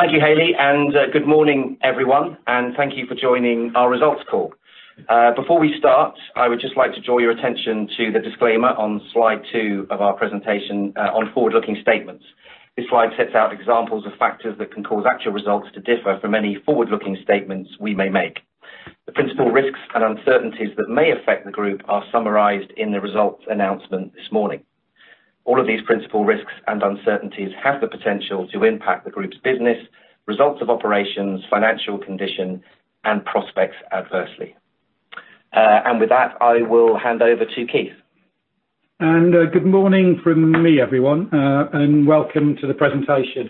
Thank you, Haley, and good morning, everyone, and thank you for joining our results call. Before we start, I would just like to draw your attention to the disclaimer on Slide two of our presentation on forward-looking statements. This slide sets out examples of factors that can cause actual results to differ from any forward-looking statements we may make. The principal risks and uncertainties that may affect the group are summarized in the results announcement this morning. All of these principal risks and uncertainties have the potential to impact the group's business, results of operations, financial condition, and prospects adversely. With that, I will hand over to Keith. Good morning from me, everyone, and welcome to the presentation.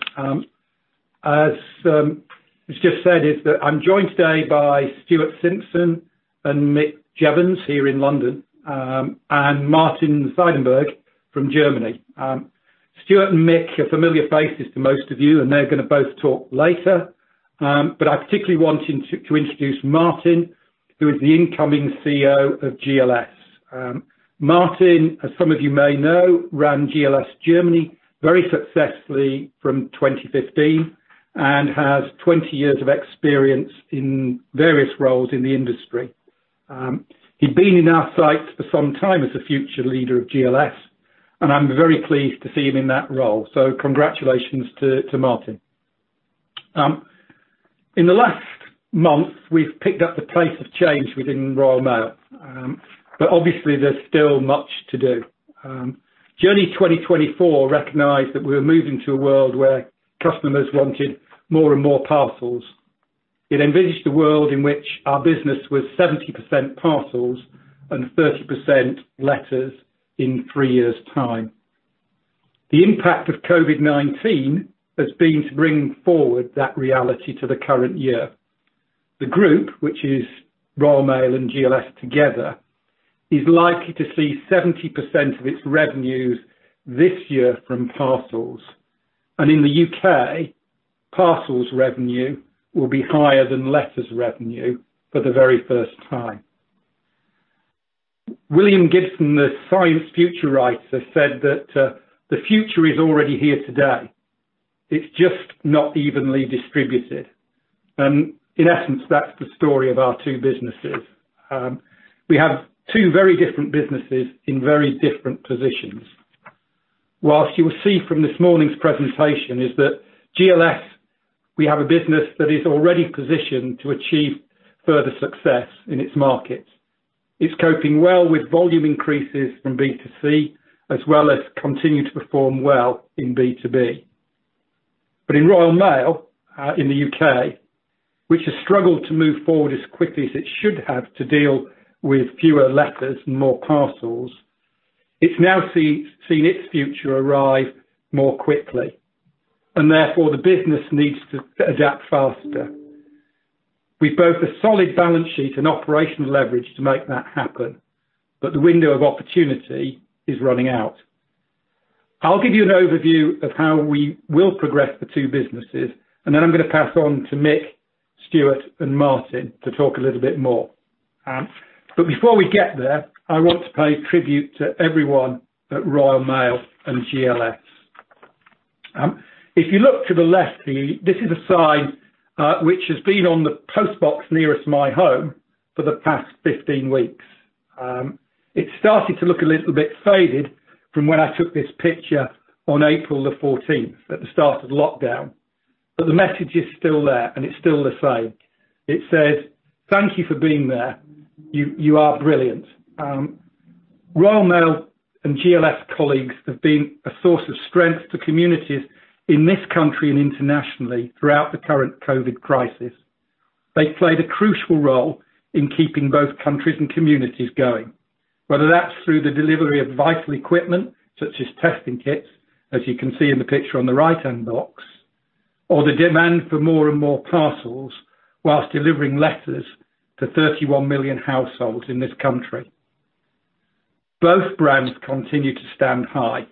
As just said, I'm joined today by Stuart Simpson and Mick Jeavons here in London, and Martin Seidenberg from Germany. Stuart and Mick are familiar faces to most of you, and they're going to both talk later. I particularly want to introduce Martin, who is the incoming CEO of GLS. Martin, as some of you may know, ran GLS Germany very successfully from 2015 and has 20 years of experience in various roles in the industry. He'd been in our sight for some time as a future leader of GLS, and I'm very pleased to see him in that role. Congratulations to Martin. In the last month, we've picked up the pace of change within Royal Mail, but obviously there's still much to do. Journey 2024 recognized that we were moving to a world where customers wanted more and more parcels. It envisaged a world in which our business was 70% parcels and 30% letters in three years' time. The impact of COVID-19 has been to bring forward that reality to the current year. The group, which is Royal Mail and GLS together, is likely to see 70% of its revenues this year from parcels, and in the U.K., parcels revenue will be higher than letters revenue for the very first time. William Gibson, the science future writer, said that, "The future is already here today. It's just not evenly distributed." In essence, that's the story of our two businesses. We have two very different businesses in very different positions. You will see from this morning's presentation is that GLS, we have a business that is already positioned to achieve further success in its market. It's coping well with volume increases from B2C, as well as continue to perform well in B2B. In Royal Mail in the U.K., which has struggled to move forward as quickly as it should have to deal with fewer letters and more parcels, it's now seen its future arrive more quickly, and therefore the business needs to adapt faster. We've both a solid balance sheet and operational leverage to make that happen, but the window of opportunity is running out. I'll give you an overview of how we will progress the two businesses, and then I'm going to pass on to Mick, Stuart, and Martin to talk a little bit more. Before we get there, I want to pay tribute to everyone at Royal Mail and GLS. If you look to the left, this is a sign which has been on the post box nearest my home for the past 15 weeks. It's started to look a little bit faded from when I took this picture on April the 14th at the start of lockdown, but the message is still there and it's still the same. It says, "Thank you for being there. You are brilliant." Royal Mail and GLS colleagues have been a source of strength to communities in this country and internationally throughout the current COVID crisis. They played a crucial role in keeping both countries and communities going, whether that's through the delivery of vital equipment such as testing kits, as you can see in the picture on the right-hand box, or the demand for more and more parcels whilst delivering letters to 31 million households in this country. Both brands continue to stand high,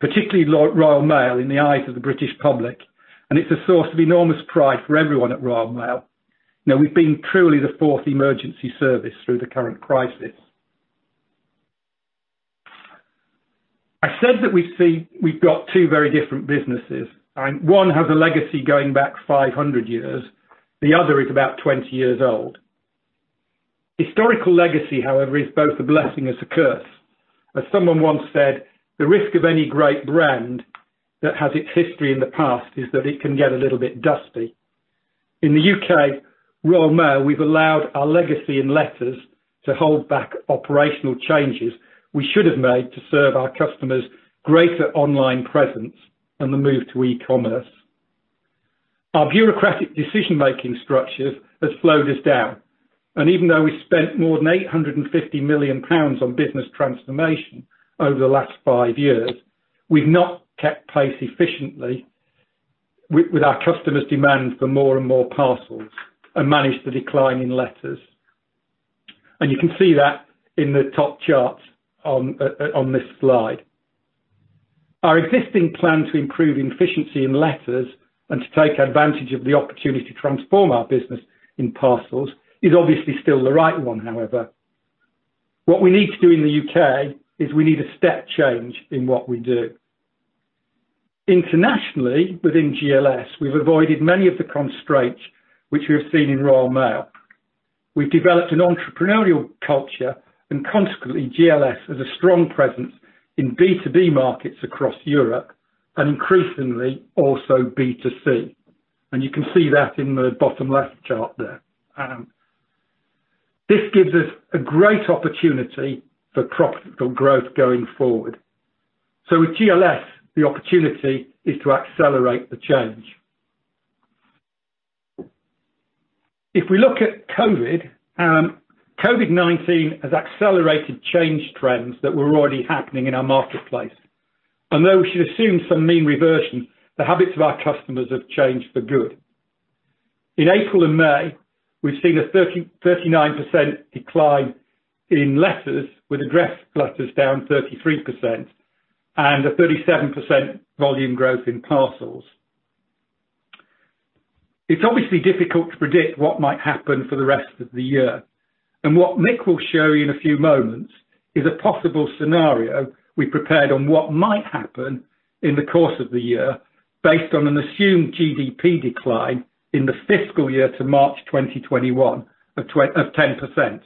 particularly Royal Mail in the eyes of the British public, and it's a source of enormous pride for everyone at Royal Mail. We've been truly the fourth emergency service through the current crisis. I said that we've got two very different businesses, and one has a legacy going back 500 years. The other is about 20 years old. Historical legacy, however, is both a blessing and a curse. As someone once said, the risk of any great brand that has its history in the past is that it can get a little bit dusty. In the U.K., Royal Mail, we've allowed our legacy in letters to hold back operational changes we should have made to serve our customers' greater online presence and the move to e-commerce. Our bureaucratic decision-making structures has slowed us down, and even though we spent more than 850 million pounds on business transformation over the last five years, we've not kept pace efficiently with our customers' demands for more and more parcels and managed the decline in letters. You can see that in the top charts on this slide. Our existing plan to improve efficiency in letters and to take advantage of the opportunity to transform our business in parcels is obviously still the right one, however. What we need to do in the U.K. is we need a step change in what we do. Internationally, within GLS, we've avoided many of the constraints which we have seen in Royal Mail. We've developed an entrepreneurial culture. Consequently, GLS has a strong presence in B2B markets across Europe, and increasingly also B2C. You can see that in the bottom left chart there. This gives us a great opportunity for profitable growth going forward. With GLS, the opportunity is to accelerate the change. If we look at COVID-19 has accelerated change trends that were already happening in our marketplace. Though we should assume some mean reversion, the habits of our customers have changed for good. In April and May, we've seen a 39% decline in letters, with addressed letters down 33%, and a 37% volume growth in parcels. It's obviously difficult to predict what might happen for the rest of the year, and what Mick will show you in a few moments is a possible scenario we prepared on what might happen in the course of the year based on an assumed GDP decline in the fiscal year to March 2021 of 10%.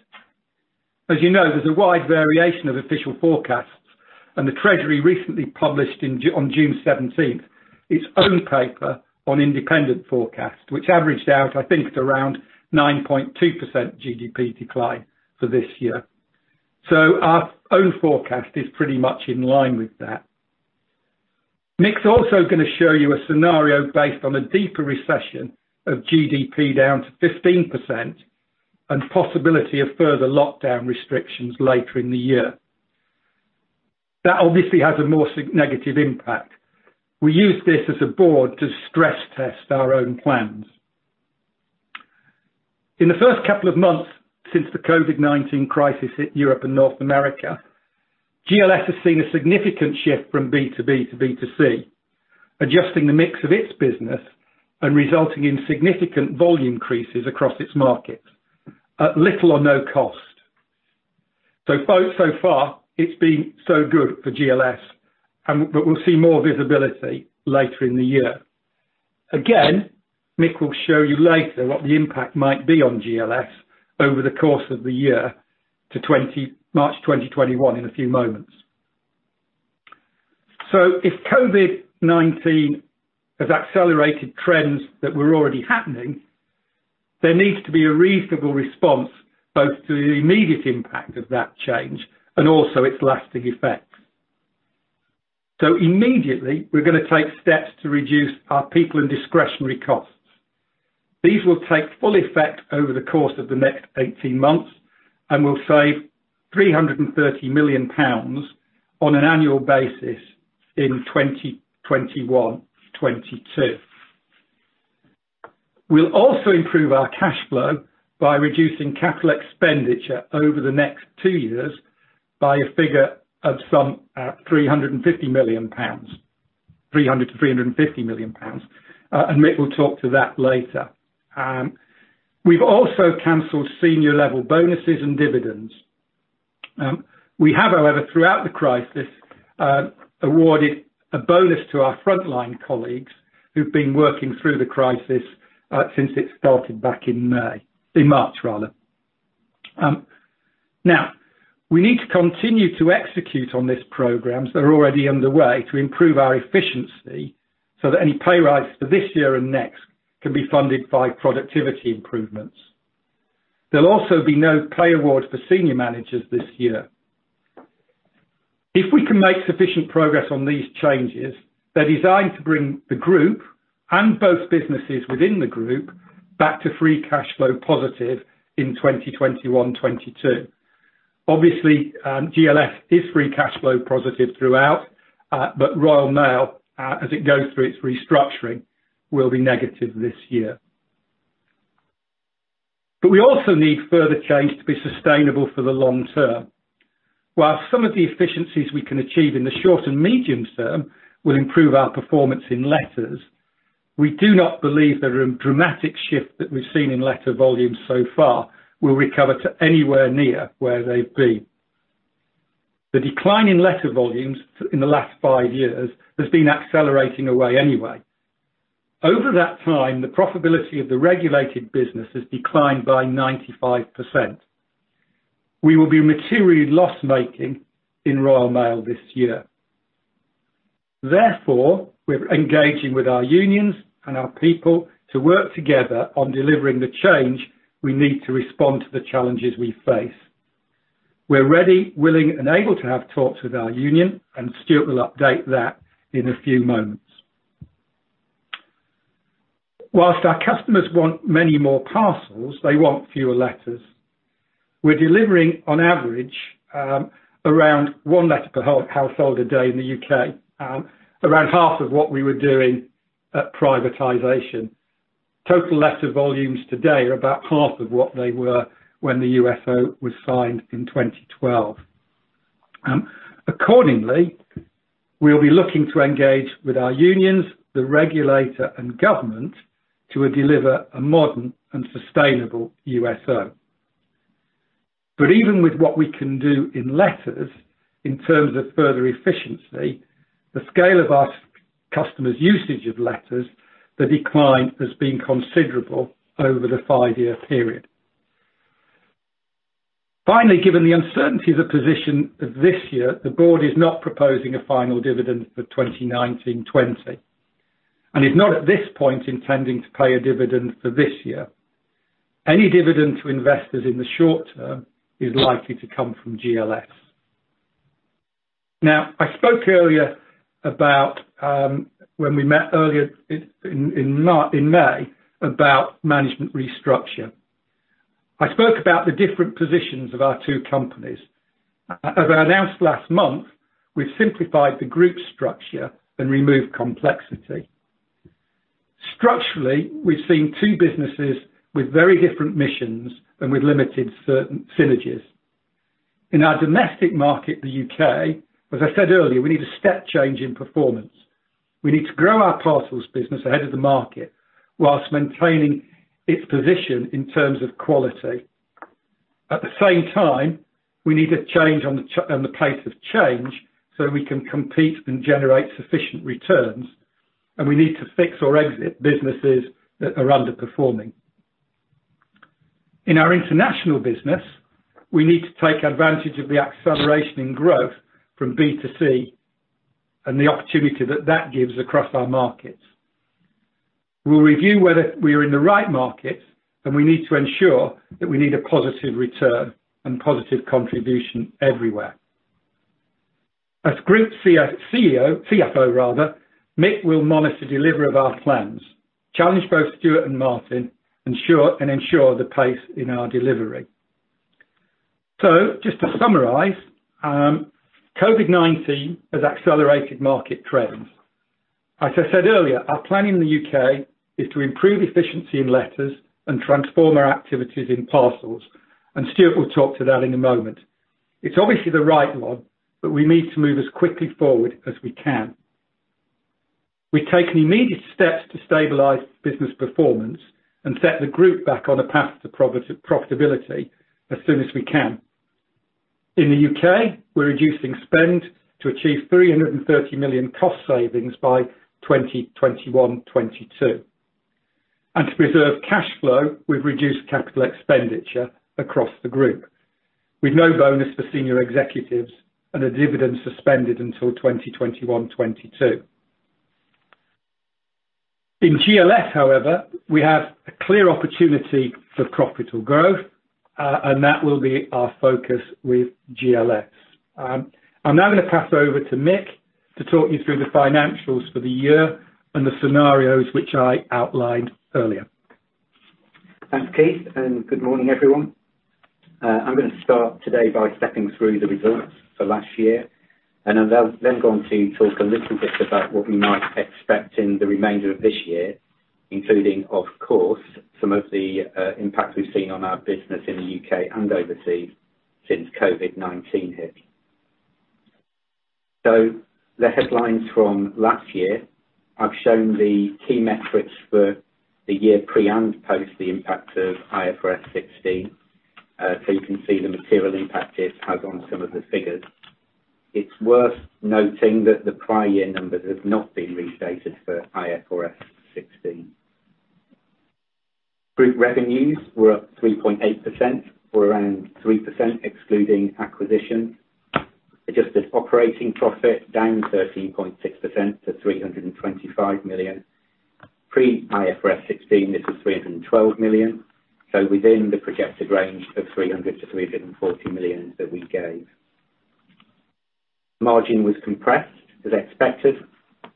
As you know, there's a wide variation of official forecasts, and the Treasury recently published on June 17th its own paper on independent forecasts, which averaged out, I think, at around 9.2% GDP decline for this year. So our own forecast is pretty much in line with that. Mick's also going to show you a scenario based on a deeper recession of GDP down to 15% and possibility of further lockdown restrictions later in the year. That obviously has a more negative impact. We use this as a board to stress test our own plans. In the first couple of months since the COVID-19 crisis hit Europe and North America, GLS has seen a significant shift from B2B to B2C, adjusting the mix of its business and resulting in significant volume increases across its markets at little or no cost. So far, it's been so good for GLS, but we'll see more visibility later in the year. Again, Mick will show you later what the impact might be on GLS over the course of the year to March 2021 in a few moments. If COVID-19 has accelerated trends that were already happening, there needs to be a reasonable response both to the immediate impact of that change and also its lasting effects. Immediately, we're going to take steps to reduce our people and discretionary costs. These will take full effect over the course of the next 18 months, and will save 330 million pounds on an annual basis in 2021/22. We'll also improve our cash flow by reducing CapEx over the next two years by a figure of some 350 million pounds, 300 million-350 million pounds. Mick will talk to that later. We've also canceled senior level bonuses and dividends. We have, however, throughout the crisis, awarded a bonus to our frontline colleagues who've been working through the crisis, since it started back in March. We need to continue to execute on these programs that are already underway to improve our efficiency so that any pay raises for this year and next can be funded by productivity improvements. There'll also be no pay awards for senior managers this year. If we can make sufficient progress on these changes, they're designed to bring the group and both businesses within the group back to free cash flow positive in 2021/2022. GLS is free cash flow positive throughout, but Royal Mail, as it goes through its restructuring, will be negative this year. We also need further change to be sustainable for the long term. While some of the efficiencies we can achieve in the short and medium term will improve our performance in letters, we do not believe the dramatic shift that we've seen in letter volumes so far will recover to anywhere near where they've been. The decline in letter volumes in the last five years has been accelerating away anyway. Over that time, the profitability of the regulated business has declined by 95%. We will be materially loss-making in Royal Mail this year. Therefore, we're engaging with our unions and our people to work together on delivering the change we need to respond to the challenges we face. We're ready, willing, and able to have talks with our union, and Stuart will update that in a few moments. Whilst our customers want many more parcels, they want fewer letters. We're delivering, on average, around one letter per household a day in the U.K., around half of what we were doing at privatization. Total letter volumes today are about half of what they were when the USO was signed in 2012. We'll be looking to engage with our unions, the regulator and government to deliver a modern and sustainable USO. Even with what we can do in letters, in terms of further efficiency, the scale of our customers' usage of letters, the decline has been considerable over the five-year period. Given the uncertainty of the position of this year, the board is not proposing a final dividend for 2019/20. Is not at this point, intending to pay a dividend for this year. Any dividend to investors in the short term is likely to come from GLS. Now, I spoke earlier about when we met earlier in May, about management restructure. I spoke about the different positions of our two companies. As I announced last month, we've simplified the group structure and removed complexity. Structurally, we've seen two businesses with very different missions and with limited synergies. In our domestic market, the U.K., as I said earlier, we need a step change in performance. We need to grow our parcels business ahead of the market while maintaining its position in terms of quality. At the same time, we need to change on the pace of change so we can compete and generate sufficient returns, and we need to fix or exit businesses that are underperforming. In our international business, we need to take advantage of the acceleration in growth from B2C and the opportunity that that gives across our markets. We'll review whether we are in the right markets, and we need to ensure that we need a positive return and positive contribution everywhere. As Group CFO, Mick will monitor delivery of our plans, challenge both Stuart and Martin, and ensure the pace in our delivery. Just to summarize, COVID-19 has accelerated market trends. As I said earlier, our plan in the U.K. is to improve efficiency in letters and transform our activities in parcels, and Stuart will talk to that in a moment. It's obviously the right one, but we need to move as quickly forward as we can. We've taken immediate steps to stabilize business performance and set the group back on a path to profitability as soon as we can. In the U.K., we're reducing spend to achieve 330 million cost savings by 2021/22. To preserve cash flow, we've reduced capital expenditure across the group with no bonus for senior executives and a dividend suspended until 2021/2022. In GLS, however, we have a clear opportunity for profitable growth, and that will be our focus with GLS. I'm now going to pass over to Mick to talk you through the financials for the year and the scenarios which I outlined earlier. Thanks, Keith. Good morning, everyone. I'm going to start today by stepping through the results for last year, and I'll then go on to talk a little bit about what we might expect in the remainder of this year, including, of course, some of the impacts we've seen on our business in the U.K. and overseas since COVID-19 hit. The headlines from last year, I've shown the key metrics for the year pre and post the impact of IFRS 16. You can see the material impact it has on some of the figures. It's worth noting that the prior year numbers have not been restated for IFRS 16. Group revenues were up 3.8%, or around 3% excluding acquisition. Adjusted operating profit down 13.6% to 325 million. Pre IFRS 16, this was 312 million, so within the projected range of 300 million-340 million that we gave. Margin was compressed as expected,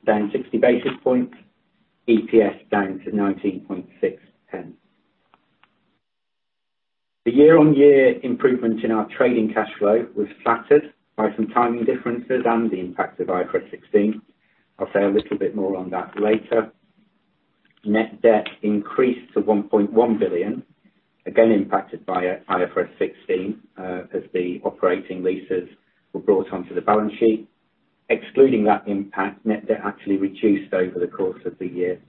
down 60 basis points. EPS down to 0.196. The year-on-year improvement in our trading cash flow was flattered by some timing differences and the impact of IFRS 16. I'll say a little bit more on that later. Net debt increased to 1.1 billion, again impacted by IFRS 16, as the operating leases were brought onto the balance sheet. Excluding that impact, net debt actually reduced over the course of the year.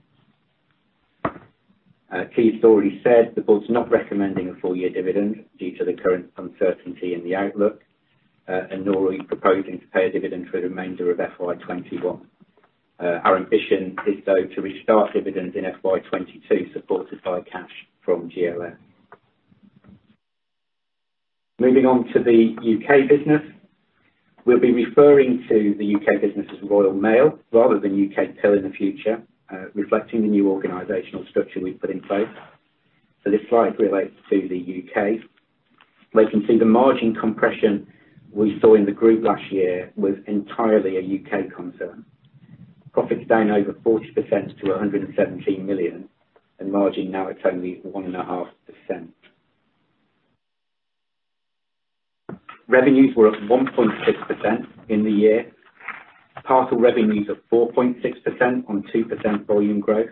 Keith's already said the board's not recommending a full-year dividend due to the current uncertainty in the outlook, nor are we proposing to pay a dividend for the remainder of FY 2021. Our ambition is, though, to restart dividends in FY 2022, supported by cash from GLS. Moving on to the U.K. business. We'll be referring to the U.K. business as Royal Mail rather than UKPIL in the future, reflecting the new organizational structure we've put in place. This slide relates to the U.K., where you can see the margin compression we saw in the group last year was entirely a U.K. concern. Profits down over 40% to 117 million, and margin now at only 1.5%. Revenues were up 1.6% in the year. Parcel revenues of 4.6% on 2% volume growth.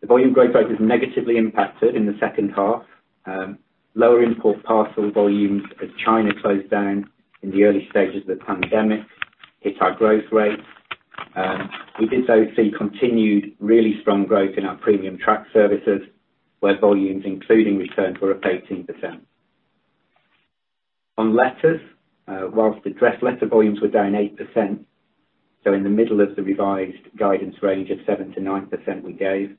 The volume growth rate is negatively impacted in the second half. Lower import parcel volumes as China closed down in the early stages of the pandemic hit our growth rate. We did, though, see continued really strong growth in our premium track services, where volumes including return were up 18%. On letters, whilst the addressed letter volumes were down 8%, in the middle of the revised guidance range of 7%-9% we gave,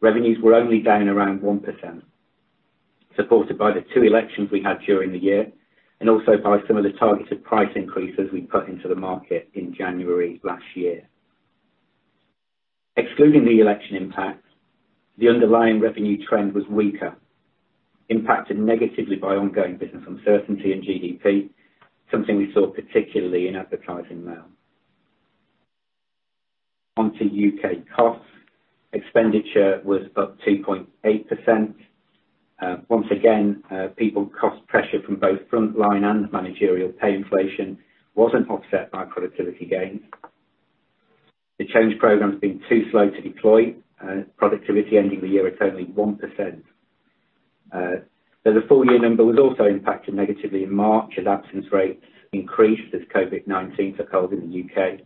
revenues were only down around 1%, supported by the two elections we had during the year, also by some of the targeted price increases we put into the market in January last year. Excluding the election impact, the underlying revenue trend was weaker, impacted negatively by ongoing business uncertainty and GDP, something we saw particularly in advertising mail. On to U.K. costs. Expenditure was up 2.8%. Once again, people cost pressure from both frontline and managerial pay inflation wasn't offset by productivity gains. The change program's been too slow to deploy. Productivity ending the year at only 1%. The full year number was also impacted negatively in March as absence rates increased as COVID-19 took hold in the U.K.,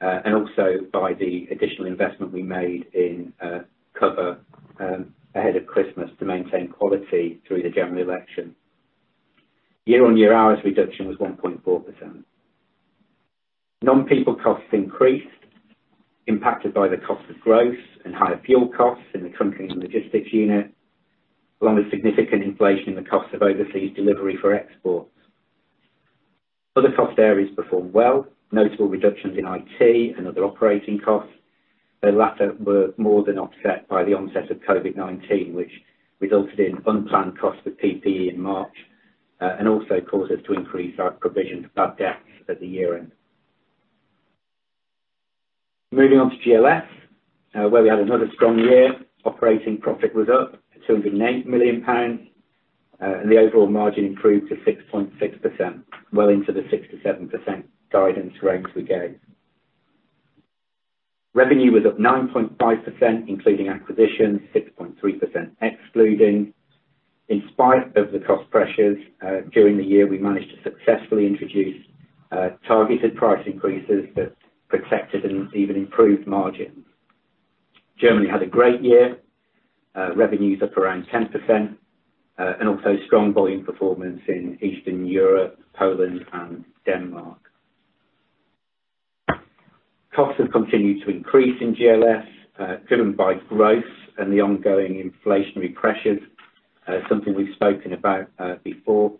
and also by the additional investment we made in cover ahead of Christmas to maintain quality through the general election. Year-on-year hours reduction was 1.4%. Non-people costs increased, impacted by the cost of growth and higher fuel costs in the trucking and logistics unit, along with significant inflation in the cost of overseas delivery for exports. Other cost areas performed well. Notable reductions in IT and other operating costs. The latter were more than offset by the onset of COVID-19, which resulted in unplanned costs for PPE in March, and also caused us to increase our provision for bad debts at the year-end. Moving on to GLS, where we had another strong year. Operating profit was up 208 million pounds, and the overall margin improved to 6.6%, well into the 6%-7% guidance range we gave. Revenue was up 9.5%, including acquisitions, 6.3% excluding. In spite of the cost pressures during the year, we managed to successfully introduce targeted price increases that protected and even improved margins. Germany had a great year. Revenues up around 10%, and also strong volume performance in Eastern Europe, Poland, and Denmark. Costs have continued to increase in GLS, driven by growth and the ongoing inflationary pressures, something we've spoken about before.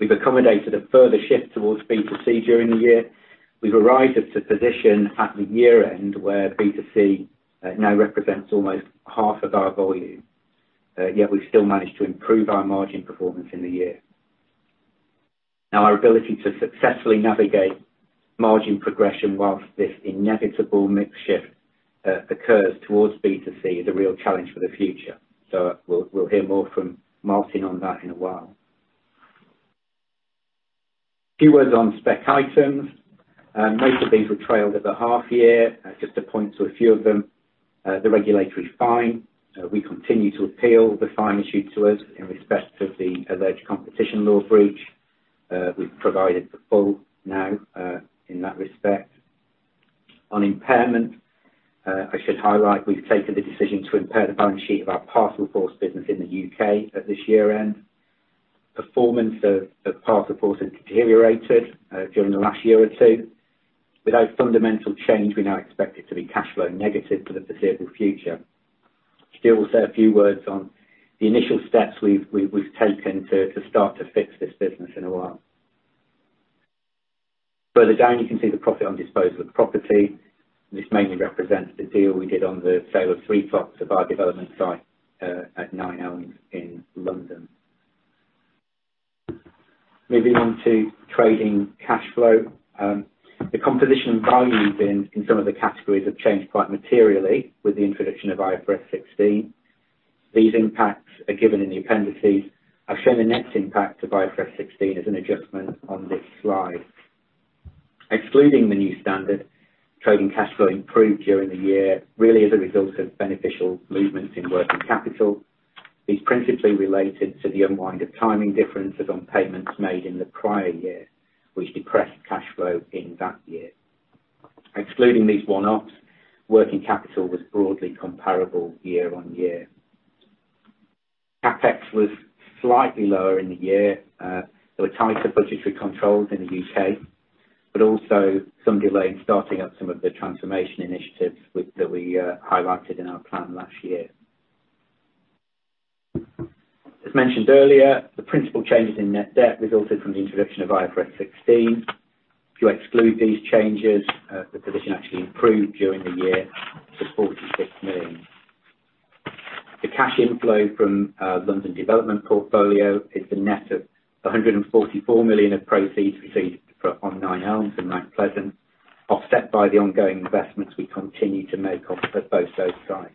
We've accommodated a further shift towards B2C during the year. We've arrived at a position at the year-end where B2C now represents almost half of our volume. Yet we've still managed to improve our margin performance in the year. Our ability to successfully navigate margin progression whilst this inevitable mix shift occurs towards B2C is a real challenge for the future. We'll hear more from Martin on that in a while. A few words on spec items. Most of these were trailed at the half year. Just to point to a few of them. The regulatory fine. We continue to appeal the fine issued to us in respect of the alleged competition law breach. We've provided for full now in that respect. On impairment, I should highlight we've taken the decision to impair the balance sheet of our Parcelforce business in the U.K. at this year-end. Performance of Parcelforce has deteriorated during the last year or two. Without fundamental change, we now expect it to be cash flow negative for the foreseeable future. Still say a few words on the initial steps we've taken to start to fix this business in a while. Further down, you can see the profit on disposal of property. This mainly represents the deal we did on the sale of three plots of our development site at Nine Elms in London. Moving on to trading cash flow. The composition of volumes in some of the categories have changed quite materially with the introduction of IFRS 16. These impacts are given in the appendices. I've shown the net impact to IFRS 16 as an adjustment on this slide. Excluding the new standard, trading cash flow improved during the year, really as a result of beneficial movements in working capital. These principally related to the unwind of timing differences on payments made in the prior year, which depressed cash flow in that year. Excluding these one-offs, working capital was broadly comparable year on year. CapEx was slightly lower in the year. There were tighter budgetary controls in the U.K., but also some delay in starting up some of the transformation initiatives that we highlighted in our plan last year. As mentioned earlier, the principal changes in net debt resulted from the introduction of IFRS 16. If you exclude these changes, the position actually improved during the year to 46 million. The cash inflow from London development portfolio is the net of the 144 million of proceeds received on Nine Elms and Mount Pleasant, offset by the ongoing investments we continue to make off at both those sites.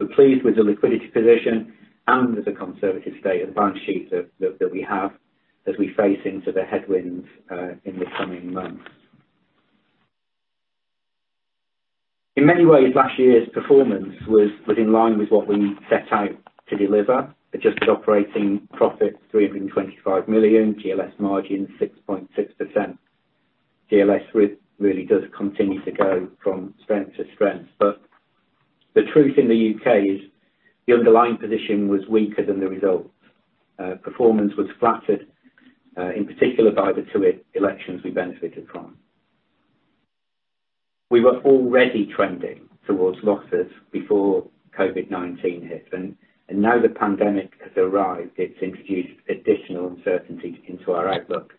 We're pleased with the liquidity position and with the conservative state of the balance sheet that we have as we face into the headwinds in the coming months. In many ways, last year's performance was in line with what we set out to deliver. Adjusted operating profit 325 million, GLS margin 6.6%. GLS really does continue to go from strength to strength. The truth in the U.K. is the underlying position was weaker than the results. Performance was flattered, in particular by the two elections we benefited from. We were already trending towards losses before COVID-19 hit. Now the pandemic has arrived, it's introduced additional uncertainty into our outlook.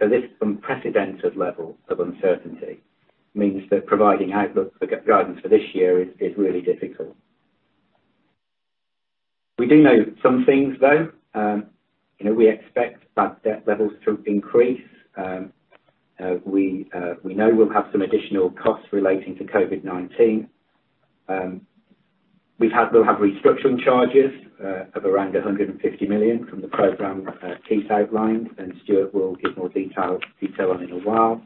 This unprecedented level of uncertainty means that providing outlook guidance for this year is really difficult. We do know some things, though. We expect bad debt levels to increase. We know we'll have some additional costs relating to COVID-19. We'll have restructuring charges of around 150 million from the program Keith outlined, and Stuart will give more detail on in a while.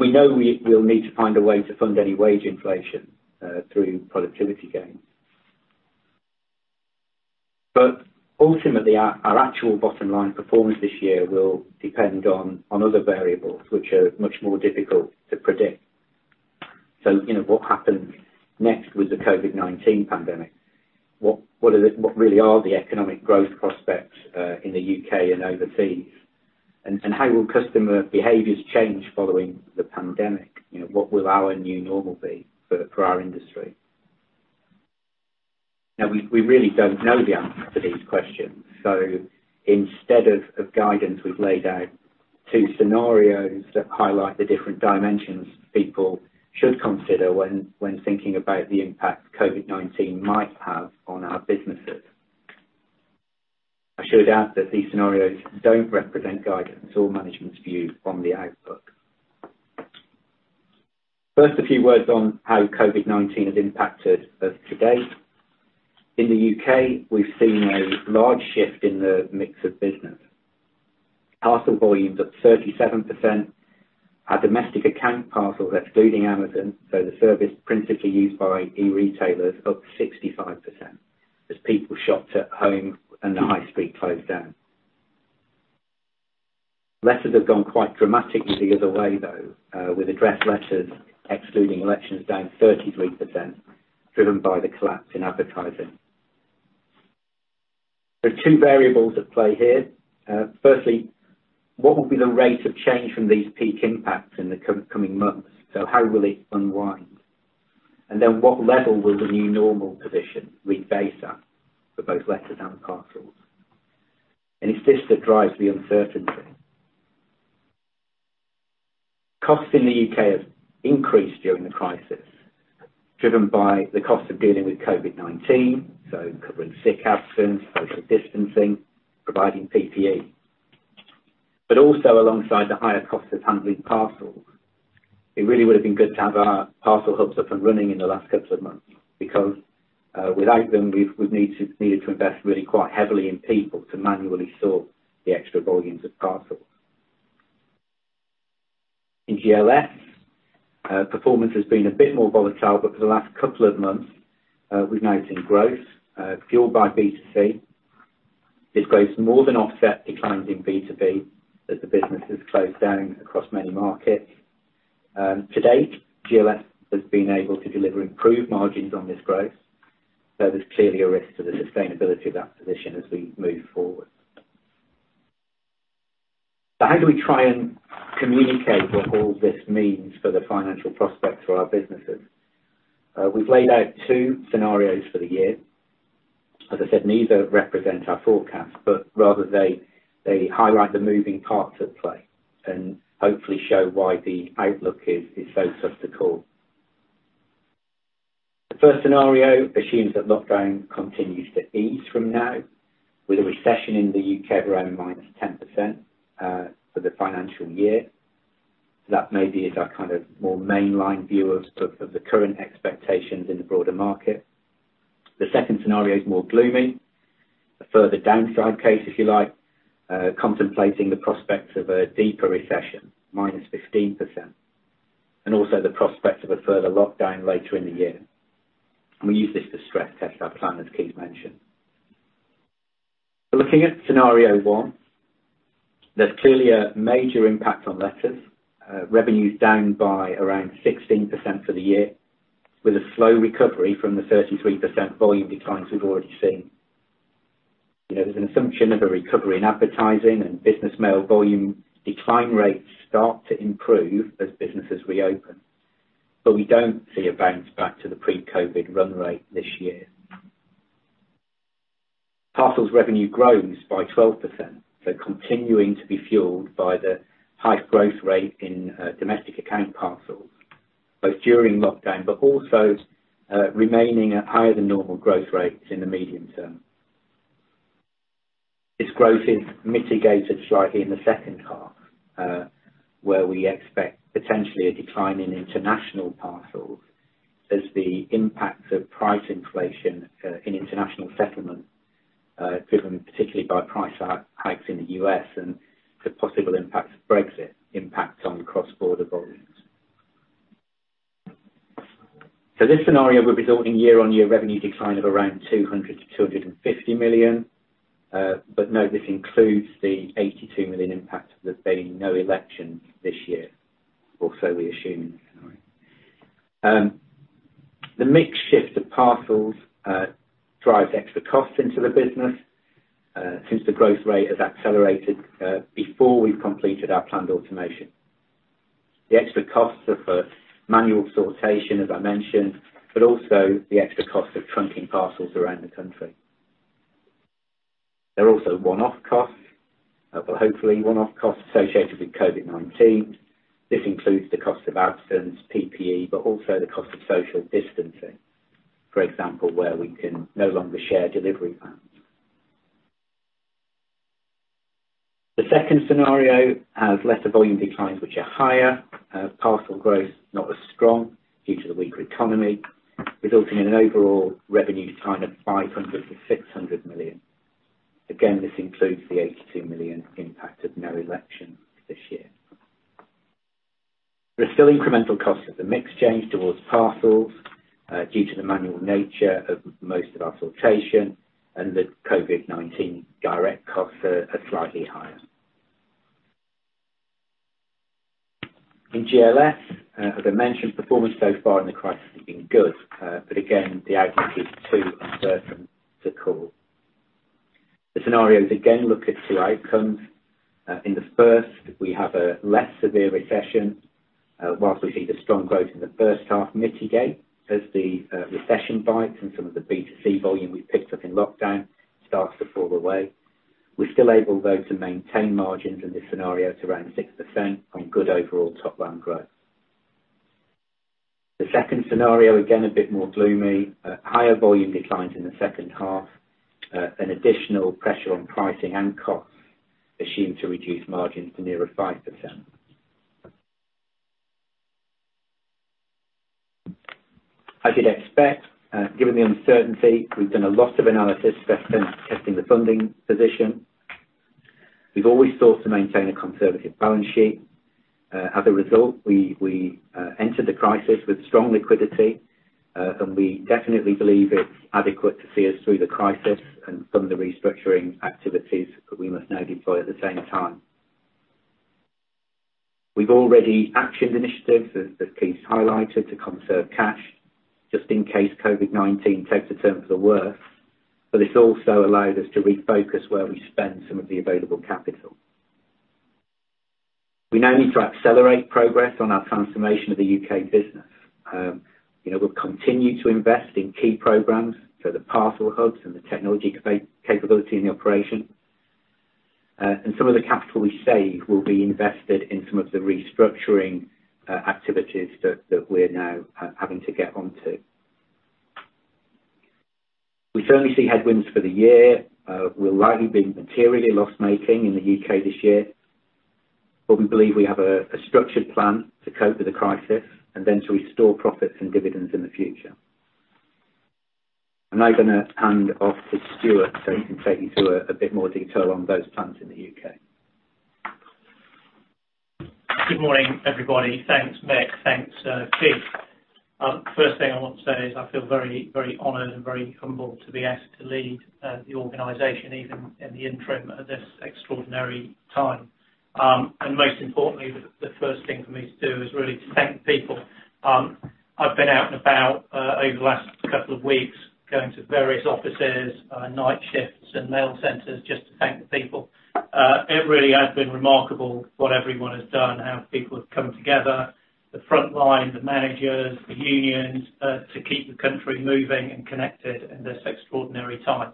We know we'll need to find a way to fund any wage inflation through productivity gains. Ultimately, our actual bottom line performance this year will depend on other variables, which are much more difficult to predict. What happens next with the COVID-19 pandemic? What really are the economic growth prospects in the U.K. and overseas? How will customer behaviors change following the pandemic? What will our new normal be for our industry? We really don't know the answers to these questions. Instead of guidance, we've laid out two scenarios that highlight the different dimensions people should consider when thinking about the impact COVID-19 might have on our businesses. I should add that these scenarios don't represent guidance or management's view on the outlook. A few words on how COVID-19 has impacted us to date. In the U.K., we've seen a large shift in the mix of business. Parcel volumes up 37%. Our domestic account parcels, excluding Amazon, so the service principally used by e-retailers, up 65% as people shopped at home and the high street closed down. Letters have gone quite dramatically the other way, though, with addressed letters excluding elections down 33%, driven by the collapse in advertising. There are two variables at play here. Firstly, what will be the rate of change from these peak impacts in the coming months? How will it unwind? What level will the new normal position rebase at for both letters and parcels? It's this that drives the uncertainty. Costs in the U.K. have increased during the crisis, driven by the cost of dealing with COVID-19, so covering sick absence, social distancing, providing PPE. Also alongside the higher cost of handling parcels. It really would have been good to have our parcel hubs up and running in the last couple of months, because without them, we've needed to invest really quite heavily in people to manually sort the extra volumes of parcels. In GLS, performance has been a bit more volatile, but for the last couple of months, we've now seen growth fueled by B2C. This growth has more than offset declines in B2B as the businesses closed down across many markets. To date, GLS has been able to deliver improved margins on this growth, though there's clearly a risk to the sustainability of that position as we move forward. How do we try and communicate what all this means for the financial prospects for our businesses? We've laid out two scenarios for the year. As I said, neither represent our forecast, but rather they highlight the moving parts at play and hopefully show why the outlook is so tough to call. The first scenario assumes that lockdown continues to ease from now with a recession in the U.K. of around minus 10% for the financial year. That maybe is our kind of more mainline view of the current expectations in the broader market. The second scenario is more gloomy. A further downside case, if you like, contemplating the prospects of a deeper recession, minus 15%, and also the prospects of a further lockdown later in the year. We use this to stress test our plan, as Keith mentioned. Looking at scenario one, there is clearly a major impact on letters. Revenue is down by around 16% for the year with a slow recovery from the 33% volume declines we have already seen. There's an assumption of a recovery in advertising and business mail volume decline rates start to improve as businesses reopen. We don't see a bounce back to the pre-COVID run rate this year. Parcels revenue grows by 12%, continuing to be fueled by the high growth rate in domestic account parcels, both during lockdown, but also remaining at higher than normal growth rates in the medium term. This growth is mitigated slightly in the second half, where we expect potentially a decline in international parcels as the impact of price inflation in international settlement, driven particularly by price hikes in the U.S. and the possible impact of Brexit impact on cross-border volumes. This scenario would result in year-on-year revenue decline of around 200 million-250 million. Note this includes the 82 million impact of there being no election this year, or so we assume. The mix shift of parcels drives extra costs into the business, since the growth rate has accelerated before we've completed our planned automation. The extra costs are for manual sortation, as I mentioned, but also the extra cost of trunking parcels around the country. There are also one-off costs, but hopefully one-off costs associated with COVID-19. This includes the cost of absence, PPE, but also the cost of social distancing, for example, where we can no longer share delivery vans. The second scenario has lesser volume declines which are higher, parcel growth not as strong due to the weaker economy, resulting in an overall revenue decline of 500 million-600 million. Again, this includes the 82 million impact of no election this year. There are still incremental costs of the mix change towards parcels, due to the manual nature of most of our sortation, and the COVID-19 direct costs are slightly higher. In GLS, as I mentioned, performance so far in the crisis has been good. Again, the outlook is too uncertain to call. The scenarios again look at two outcomes. In the first, we have a less severe recession. Whilst we see the strong growth in the first half mitigate as the recession bites and some of the B2C volume we picked up in lockdown starts to fall away. We're still able though to maintain margins in this scenario to around 6% on good overall top-line growth. The second scenario, again, a bit more gloomy. Higher volume declines in the second half. An additional pressure on pricing and costs are seen to reduce margins to nearer 5%. As you'd expect, given the uncertainty, we've done a lot of analysis stress testing the funding position. We've always sought to maintain a conservative balance sheet. As a result, we entered the crisis with strong liquidity, and we definitely believe it's adequate to see us through the crisis and some of the restructuring activities that we must now deploy at the same time. We've already actioned initiatives, as Keith highlighted, to conserve cash, just in case COVID-19 takes a turn for the worse. This also allowed us to refocus where we spend some of the available capital. We now need to accelerate progress on our transformation of the U.K. business. We'll continue to invest in key programs, so the parcel hubs and the technology capability in the operation. Some of the capital we save will be invested in some of the restructuring activities that we're now having to get onto. We certainly see headwinds for the year. We'll likely be materially loss-making in the U.K. this year. We believe we have a structured plan to cope with the crisis and then to restore profits and dividends in the future. I'm now going to hand off to Stuart so he can take you through a bit more detail on those plans in the U.K. Good morning, everybody. Thanks, Mick. Thanks, Keith. First thing I want to say is I feel very honored and very humbled to be asked to lead the organization, even in the interim at this extraordinary time. Most importantly, the first thing for me to do is really to thank the people. I've been out and about over the last couple of weeks, going to various offices, night shifts, and mail centers just to thank the people. It really has been remarkable what everyone has done, how people have come together. The front line, the managers, the unions, to keep the country moving and connected in this extraordinary time.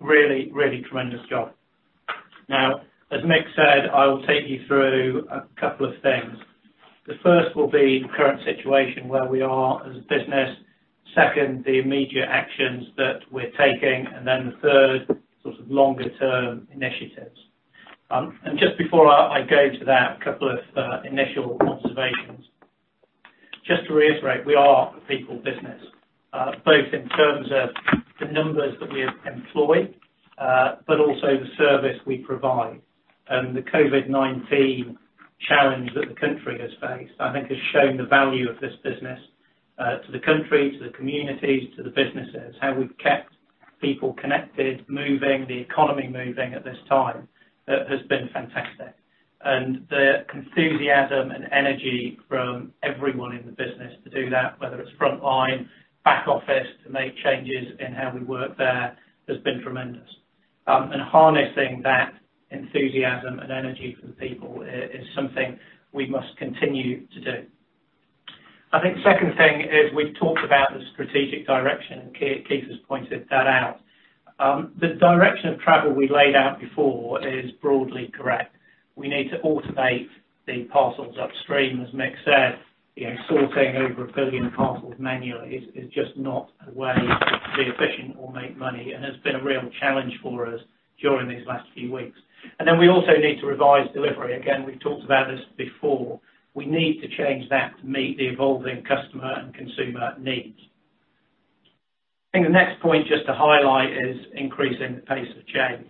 Really tremendous job. As Mick said, I will take you through a couple of things. The first will be the current situation where we are as a business. Second, the immediate actions that we're taking, and then the third sort of longer-term initiatives. Just before I go into that, a couple of initial observations. Just to reiterate, we are a people business, both in terms of the numbers that we employ, but also the service we provide. The COVID-19 challenge that the country has faced, I think, has shown the value of this business to the country, to the communities, to the businesses. How we've kept people connected, moving, the economy moving at this time has been fantastic. The enthusiasm and energy from everyone in the business to do that, whether it's front line, back office, to make changes in how we work there, has been tremendous. Harnessing that enthusiasm and energy from people is something we must continue to do. I think second thing is we've talked about the strategic direction, and Keith has pointed that out. The direction of travel we laid out before is broadly correct. We need to automate the parcels upstream, as Mick said. Sorting over one billion parcels manually is just not a way to be efficient or make money, and has been a real challenge for us during these last few weeks. We also need to revise delivery. Again, we've talked about this before. We need to change that to meet the evolving customer and consumer needs. I think the next point just to highlight is increasing the pace of change.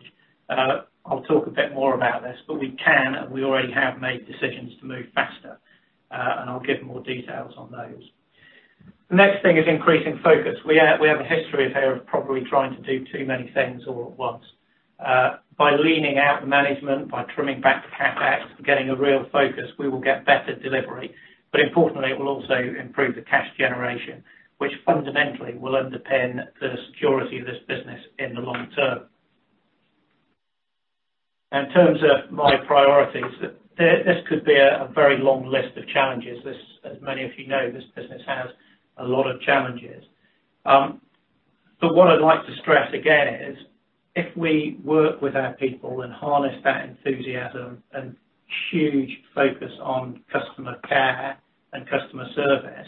I'll talk a bit more about this, but we can, and we already have made decisions to move faster. I'll give more details on those. The next thing is increasing focus. We have a history here of probably trying to do too many things all at once. By leaning out the management, by trimming back the CapEx, getting a real focus, we will get better delivery. Importantly, it will also improve the cash generation, which fundamentally will underpin the security of this business in the long term. In terms of my priorities, this could be a very long list of challenges. As many of you know, this business has a lot of challenges. What I'd like to stress again is, if we work with our people and harness that enthusiasm and huge focus on customer care and customer service,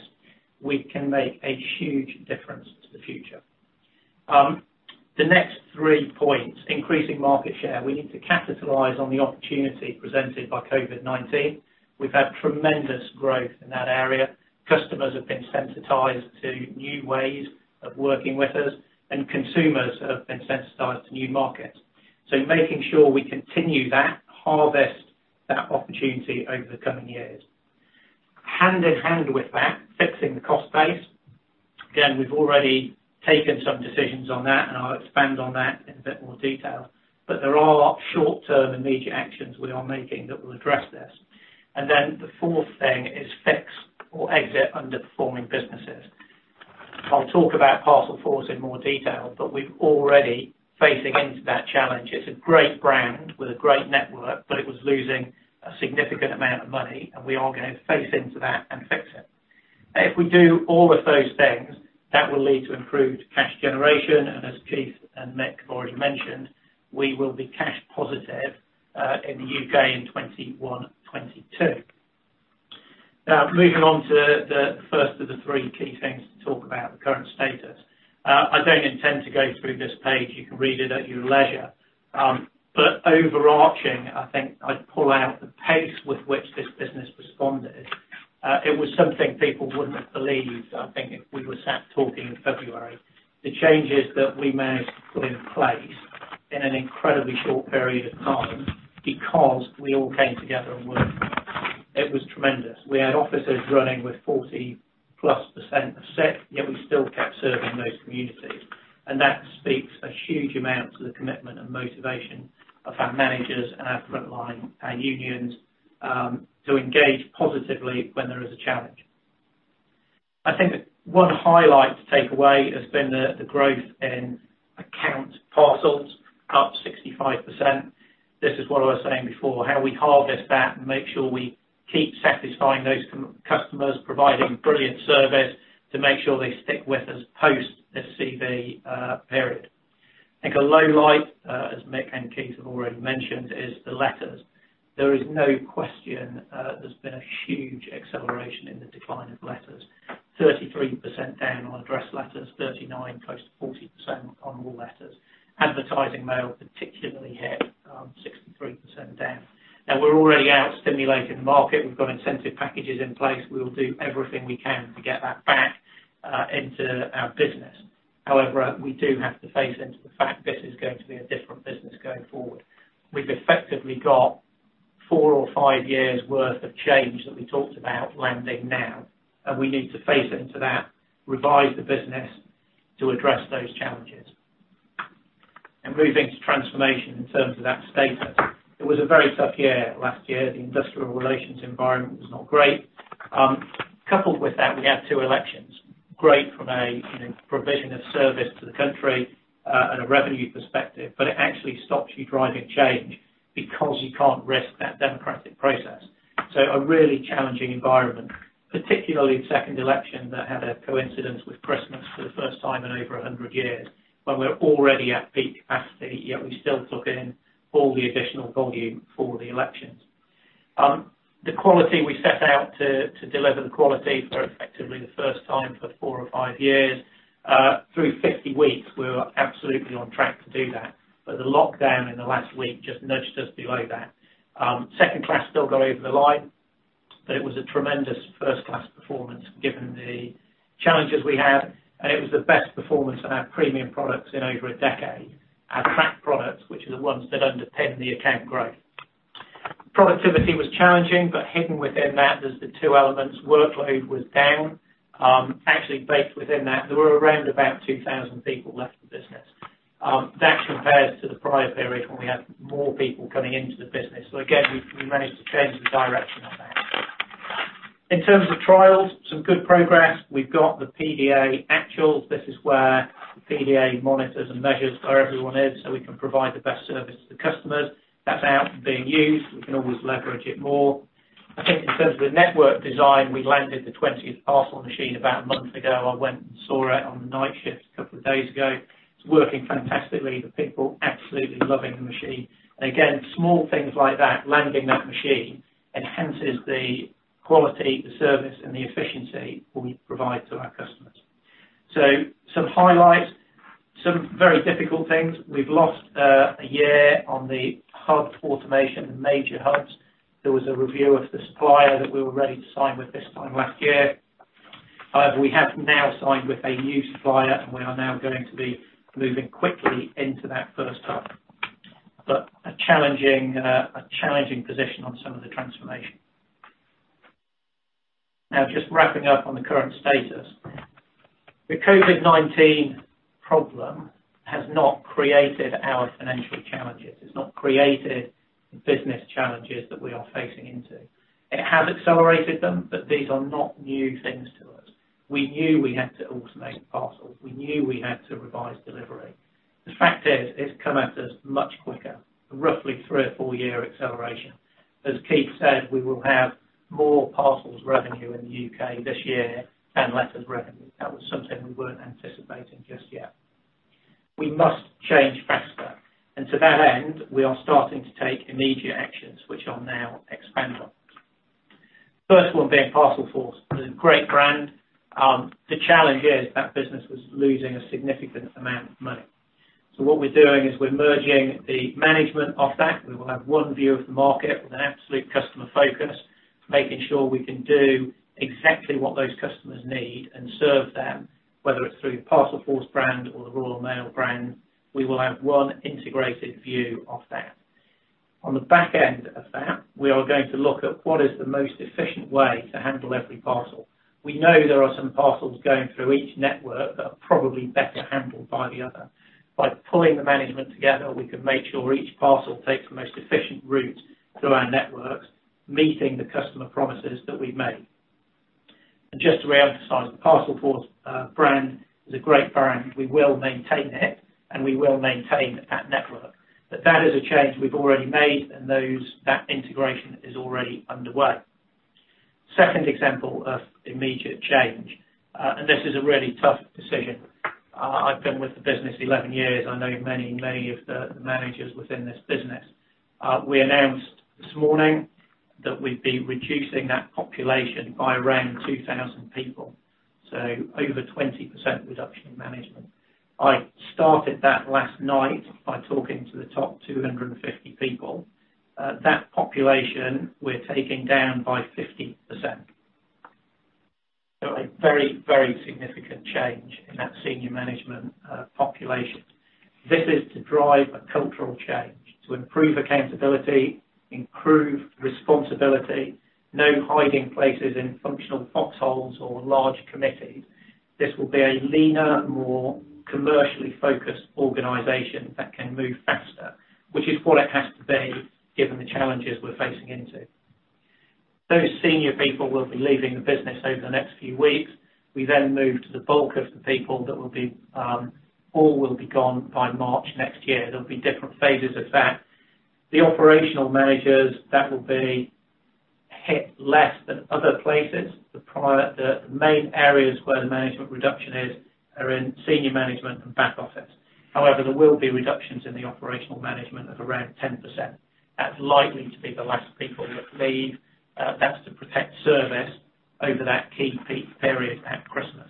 we can make a huge difference to the future. The next three points, increasing market share. We need to capitalize on the opportunity presented by COVID-19. We've had tremendous growth in that area. Customers have been sensitized to new ways of working with us, and consumers have been sensitized to new markets. Making sure we continue that, harvest that opportunity over the coming years. Hand in hand with that, fixing the cost base. Again, we've already taken some decisions on that, and I'll expand on that in a bit more detail. There are short-term, immediate actions we are making that will address this. The fourth thing is fix or exit underperforming businesses. I'll talk about Parcelforce Worldwide in more detail, but we're already facing into that challenge. It's a great brand with a great network, but it was losing a significant amount of money, and we are going to face into that and fix it. If we do all of those things, that will lead to improved cash generation, and as Keith and Mick have already mentioned, we will be cash positive, in the U.K. in 2021, 2022. Moving on to the first of the three key things to talk about the current status. I don't intend to go through this page. You can read it at your leisure. Overarching, I think I'd pull out the pace with which this business responded. It was something people wouldn't have believed, I think, if we were sat talking in February. The changes that we managed to put in place in an incredibly short period of time because we all came together and worked. It was tremendous. We had offices running with 40-plus % absent, yet we still kept serving those communities. That speaks a huge amount to the commitment and motivation of our managers and our frontline, our unions, to engage positively when there is a challenge. I think one highlight to take away has been the growth in account parcels, up 65%. This is what I was saying before, how we harvest that and make sure we keep satisfying those customers, providing brilliant service to make sure they stick with us post this COVID-19 period. I think a low light, as Mick and Keith have already mentioned, is the letters. There is no question there's been a huge acceleration in the decline of letters. 33% down on address letters, 39% close to 40% on all letters. Advertising mail particularly hit 63% down. We're already out stimulating the market. We've got incentive packages in place. We will do everything we can to get that back into our business. However, we do have to face into the fact this is going to be a different business going forward. We've effectively got four or five years worth of change that we talked about landing now. We need to face into that, revise the business to address those challenges. Moving to transformation in terms of that status. It was a very tough year last year. The industrial relations environment was not great. Coupled with that, we had two elections. Great from a provision of service to the country, and a revenue perspective, it actually stops you driving change because you can't risk that democratic process. A really challenging environment, particularly the second election that had a coincidence with Christmas for the first time in over 100 years, when we're already at peak capacity, yet we still took in all the additional volume for the elections. The quality we set out to deliver the quality for effectively the first time for four or five years. Through 50 weeks, we were absolutely on track to do that, but the lockdown in the last week just nudged us below that. Second class still got over the line, but it was a tremendous first-class performance given the challenges we had, and it was the best performance of our premium products in over a decade. Our track products, which are the ones that underpin the account growth. Productivity was challenging, but hidden within that, there is the two elements. Workload was down. Actually baked within that, there were around about 2,000 people left the business. That compares to the prior period when we had more people coming into the business. Again, we managed to change the direction on that. In terms of trials, some good progress. We've got the PDA actual. This is where the PDA monitors and measures where everyone is so we can provide the best service to customers. That's out and being used. I think in terms of the network design, we landed the 20th parcel machine about a month ago. I went and saw it on the night shift a couple of days ago. It's working fantastically. The people are absolutely loving the machine. Again, small things like that, landing that machine, enhances the quality, the service, and the efficiency we provide to our customers. Some highlights, some very difficult things. We've lost a year on the hub automation in major hubs. There was a review of the supplier that we were ready to sign with this time last year. We have now signed with a new supplier, and we are now going to be moving quickly into that first hub. A challenging position on some of the transformation. Just wrapping up on the current status. The COVID-19 problem has not created our financial challenges. It's not created the business challenges that we are facing into. It has accelerated them, but these are not new things to us. We knew we had to automate parcels. We knew we had to revise delivery. The fact is, it's come at us much quicker, roughly three or four year acceleration. As Keith said, we will have more parcels revenue in the U.K. this year than letters revenue. That was something we weren't anticipating just yet. We must change faster, and to that end, we are starting to take immediate actions which I'll now expand on. First one being Parcelforce Worldwide. It is a great brand. The challenge is that business was losing a significant amount of money. What we're doing is we're merging the management of that. We will have one view of the market with an absolute customer focus, making sure we can do exactly what those customers need and serve them, whether it's through the Parcelforce Worldwide brand or the Royal Mail brand. We will have one integrated view of that. On the back end of that, we are going to look at what is the most efficient way to handle every parcel. We know there are some parcels going through each network that are probably better handled by the other. By pulling the management together, we can make sure each parcel takes the most efficient route through our networks, meeting the customer promises that we've made. Just to reemphasize, the Parcelforce Worldwide brand is a great brand. We will maintain it, and we will maintain that network. That is a change we've already made, and that integration is already underway. Second example of immediate change, this is a really tough decision. I've been with the business 11 years. I know many of the managers within this business. We announced this morning that we'd be reducing that population by around 2,000 people, so over 20% reduction in management. I started that last night by talking to the top 250 people. That population, we're taking down by 50%. A very significant change in that senior management population. This is to drive a cultural change, to improve accountability, improve responsibility, no hiding places in functional foxholes or large committees. This will be a leaner, more commercially focused organization that can move faster, which is what it has to be, given the challenges we're facing into. Those senior people will be leaving the business over the next few weeks. We move to the bulk of the people that all will be gone by March next year. There'll be different phases of that. The operational managers, that will be hit less than other places. The main areas where the management reduction is, are in senior management and back office. There will be reductions in the operational management of around 10%. That's likely to be the last people that leave. That's to protect service over that key peak period at Christmas.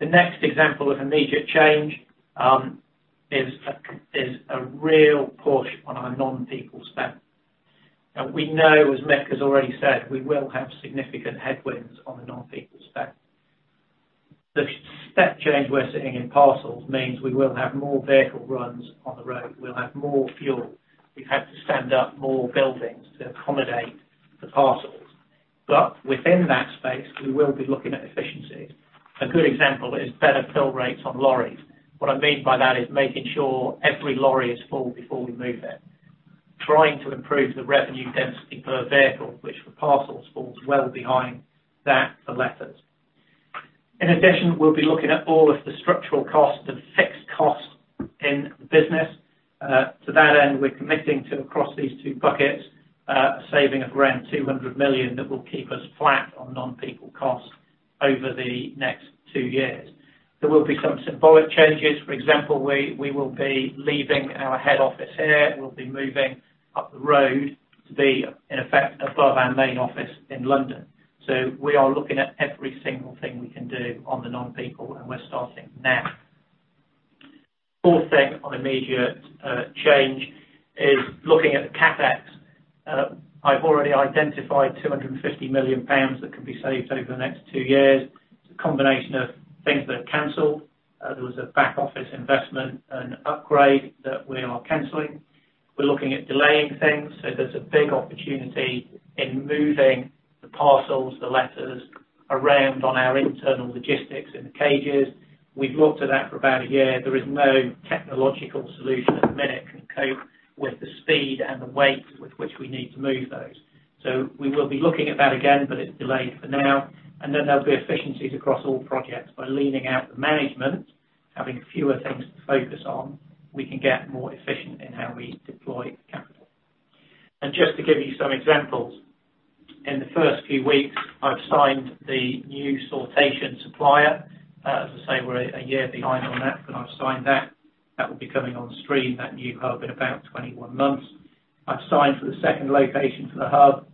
The next example of immediate change is a real push on our non-people spend. We know, as Mick has already said, we will have significant headwinds on the non-people spend. The step change we're seeing in parcels means we will have more vehicle runs on the road. We'll have more fuel. We've had to stand up more buildings to accommodate the parcels. Within that space, we will be looking at efficiencies. A good example is better fill rates on lorries. What I mean by that is making sure every lorry is full before we move it. Trying to improve the revenue density per vehicle, which for parcels falls well behind that for letters. In addition, we'll be looking at all of the structural costs and fixed costs in the business. To that end, we're committing to, across these two buckets, saving around 200 million that will keep us flat on non-people costs over the next two years. There will be some symbolic changes. For example, we will be leaving our head office here. We'll be moving up the road to be, in effect, above our main office in London. We are looking at every single thing we can do on the non-people, and we're starting now. Fourth thing on immediate change is looking at the CapEx. I've already identified 250 million pounds that can be saved over the next two years. It's a combination of things that are canceled. There was a back-office investment and upgrade that we are canceling. We're looking at delaying things. There's a big opportunity in moving the parcels, the letters around on our internal logistics in the cages. We've looked at that for about a year. There is no technological solution at the minute that can cope with the speed and the weight with which we need to move those. We will be looking at that again, but it's delayed for now. There will be efficiencies across all projects by leaning out the management. Having fewer things to focus on, we can get more efficient in how we deploy capital. Just to give you some examples, in the first few weeks, I've signed the new sortation supplier. As I say, we're a year behind on that, but I've signed that. That will be coming on stream, that new hub, in about 21 months. I've signed for the second location for the hub.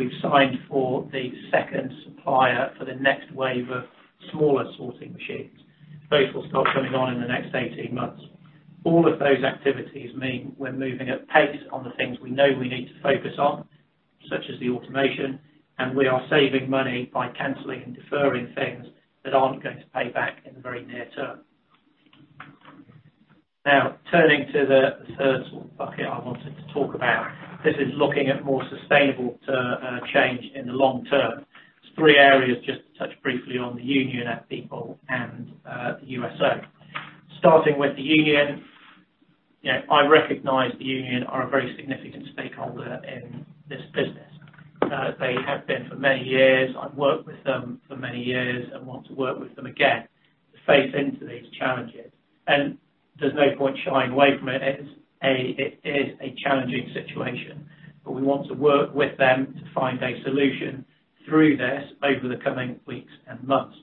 We've signed for the second supplier for the next wave of smaller sorting machines. Those will start coming on in the next 18 months. All of those activities mean we're moving at pace on the things we know we need to focus on, such as the automation, and we are saving money by canceling and deferring things that aren't going to pay back in the very near term. Turning to the third bucket I wanted to talk about. This is looking at more sustainable change in the long term. There's three areas just to touch briefly on the union, our people, and the USO. Starting with the union. I recognize the union are a very significant stakeholder in this business. They have been for many years. I've worked with them for many years and want to work with them again to face into these challenges. There's no point shying away from it. It is a challenging situation, but we want to work with them to find a solution through this over the coming weeks and months.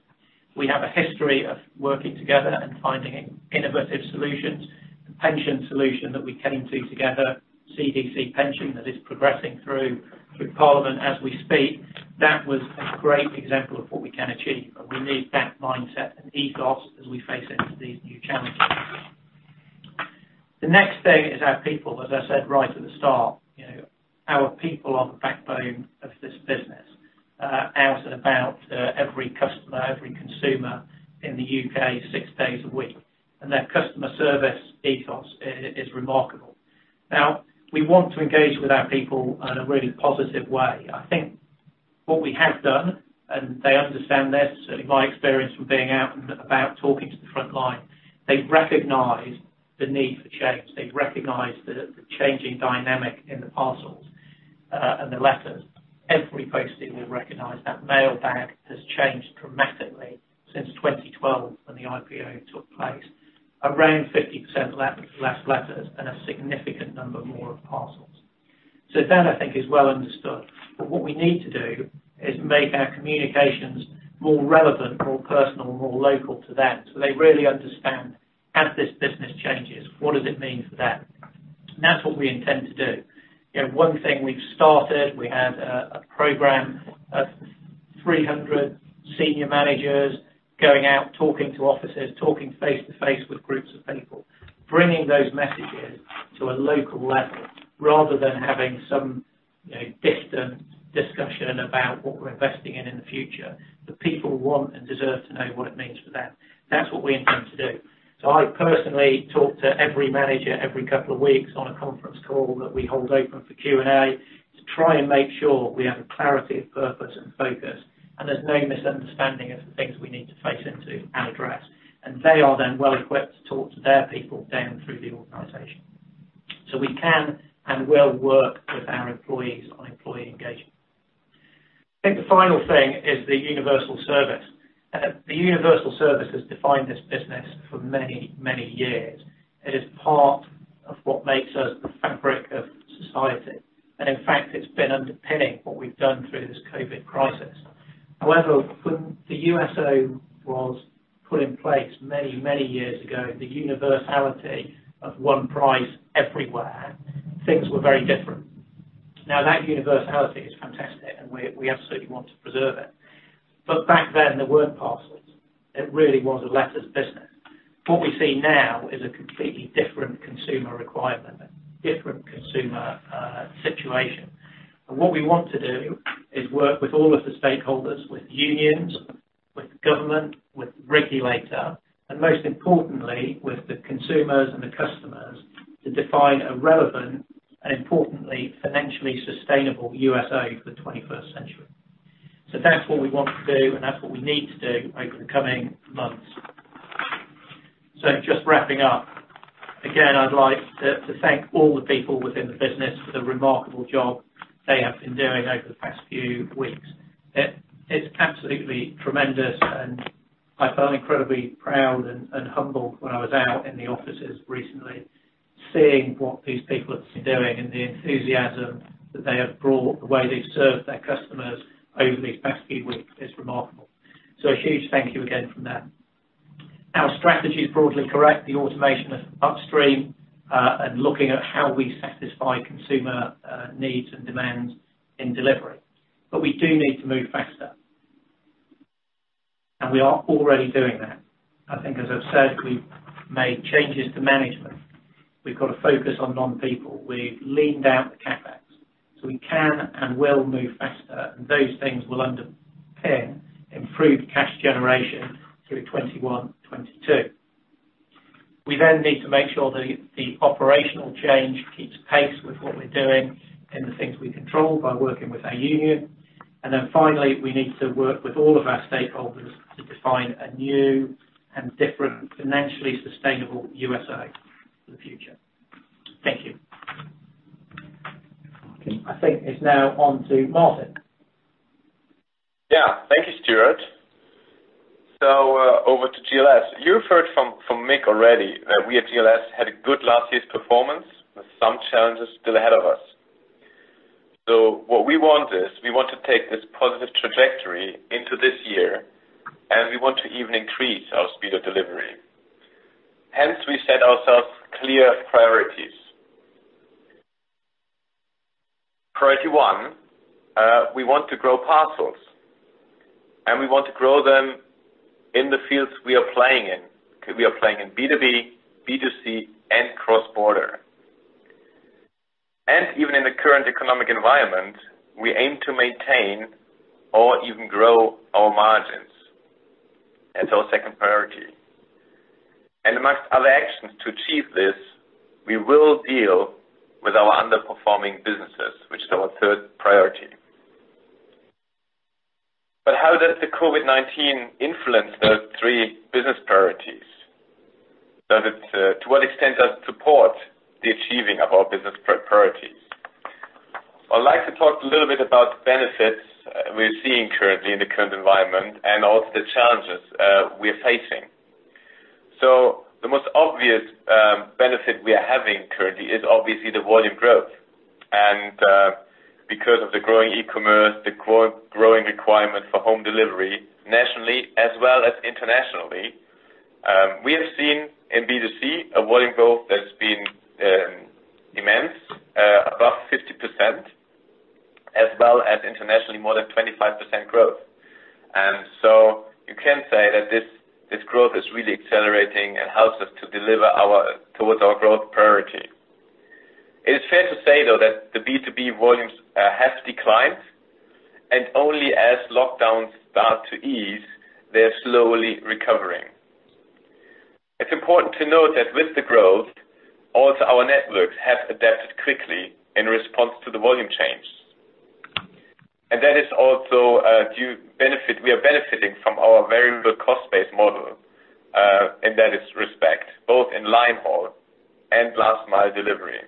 We have a history of working together and finding innovative solutions. The pension solution that we came to together, CDC Pension, that is progressing through parliament as we speak, that was a great example of what we can achieve, and we need that mindset and ethos as we face into these new challenges. The next thing is our people. As I said right at the start, our people are the backbone of this business. Out and about every customer, every consumer in the U.K., six days a week. Their customer service ethos is remarkable. We want to engage with our people in a really positive way. I think what we have done, and they understand this, certainly my experience from being out and about talking to the front line, they recognize the need for change. They recognize the changing dynamic in the parcels and the letters. Every posting will recognize that mailbag has changed dramatically since 2012 when the IPO took place. Around 50% less letters and a significant number more of parcels. That I think is well understood. What we need to do is make our communications more relevant, more personal, more local to them, so they really understand as this business changes, what does it mean for them? That's what we intend to do. One thing we've started, we have a program of 300 senior managers going out, talking to offices, talking face-to-face with groups of people, bringing those messages to a local level rather than having some distant discussion about what we're investing in in the future. The people want and deserve to know what it means for them. That's what we intend to do. I personally talk to every manager every couple of weeks on a conference call that we hold open for Q&A to try and make sure we have a clarity of purpose and focus, and there's no misunderstanding of the things we need to face into and address. They are then well equipped to talk to their people down through the organization. We can and will work with our employees on employee engagement. I think the final thing is the Universal Service. The universal service has defined this business for many, many years. It is part of what makes us the fabric of society. In fact, it's been underpinning what we've done through this COVID-19 crisis. However, when the USO was put in place many, many years ago, the universality of one price everywhere, things were very different. Now, that universality is fantastic, and we absolutely want to preserve it. Back then, there weren't parcels. It really was a letters business. What we see now is a completely different consumer requirement, a different consumer situation. What we want to do is work with all of the stakeholders, with unions, with government, with regulator, and most importantly, with the consumers and the customers to define a relevant and importantly, financially sustainable USO for the 21st century. That's what we want to do, and that's what we need to do over the coming months. Just wrapping up. Again, I'd like to thank all the people within the business for the remarkable job they have been doing over the past few weeks. It is absolutely tremendous, and I felt incredibly proud and humbled when I was out in the offices recently, seeing what these people have been doing and the enthusiasm that they have brought, the way they've served their customers over these past few weeks is remarkable. A huge thank you again from them. Our strategy is broadly correct. The automation of upstream, and looking at how we satisfy consumer needs and demands in delivery. We do need to move faster, and we are already doing that. I think, as I've said, we've made changes to management. We've got a focus on non-people. We've leaned out the CapEx. We can and will move faster, and those things will underpin improved cash generation through 2021, 2022. We need to make sure the operational change keeps pace with what we're doing in the things we control by working with our union. Finally, we need to work with all of our stakeholders to define a new and different financially sustainable USO for the future. Thank you. I think it's now on to Martin. Thank you, Stuart. Over to GLS. You've heard from Mick already that we at GLS had a good last year's performance with some challenges still ahead of us. What we want is, we want to take this positive trajectory into this year, and we want to even increase our speed of delivery. Hence, we set ourselves clear priorities. Priority one, we want to grow parcels, and we want to grow them in the fields we are playing in. We are playing in B2B, B2C, and cross-border. Even in the current economic environment, we aim to maintain or even grow our margins. That's our second priority. Amongst other actions to achieve this, we will deal with our underperforming businesses, which is our third priority. How does the COVID-19 influence those three business priorities? To what extent does it support the achieving of our business priorities? I'd like to talk a little bit about the benefits we're seeing currently in the current environment and also the challenges we're facing. The most obvious benefit we are having currently is obviously the volume growth. Because of the growing e-commerce, the growing requirement for home delivery, nationally as well as internationally, we have seen in B2C a volume growth that's been immense, above 50%, as well as internationally, more than 25% growth. You can say that this growth is really accelerating and helps us to deliver towards our growth priority. It is fair to say, though, that the B2B volumes have declined, and only as lockdowns start to ease, they're slowly recovering. It's important to note that with the growth, also our networks have adapted quickly in response to the volume change. That is also due benefit. We are benefiting from our very good cost-based model, and that is respect, both in line haul and last mile delivery.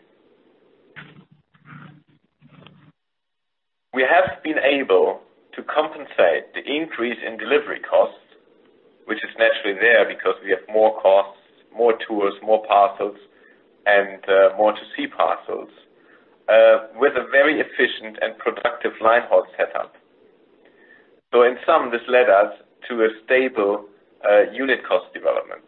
We have been able to compensate the increase in delivery costs, which is naturally there because we have more costs, more tours, more parcels, and more B2C parcels, with a very efficient and productive line haul setup. In sum, this led us to a stable unit cost development.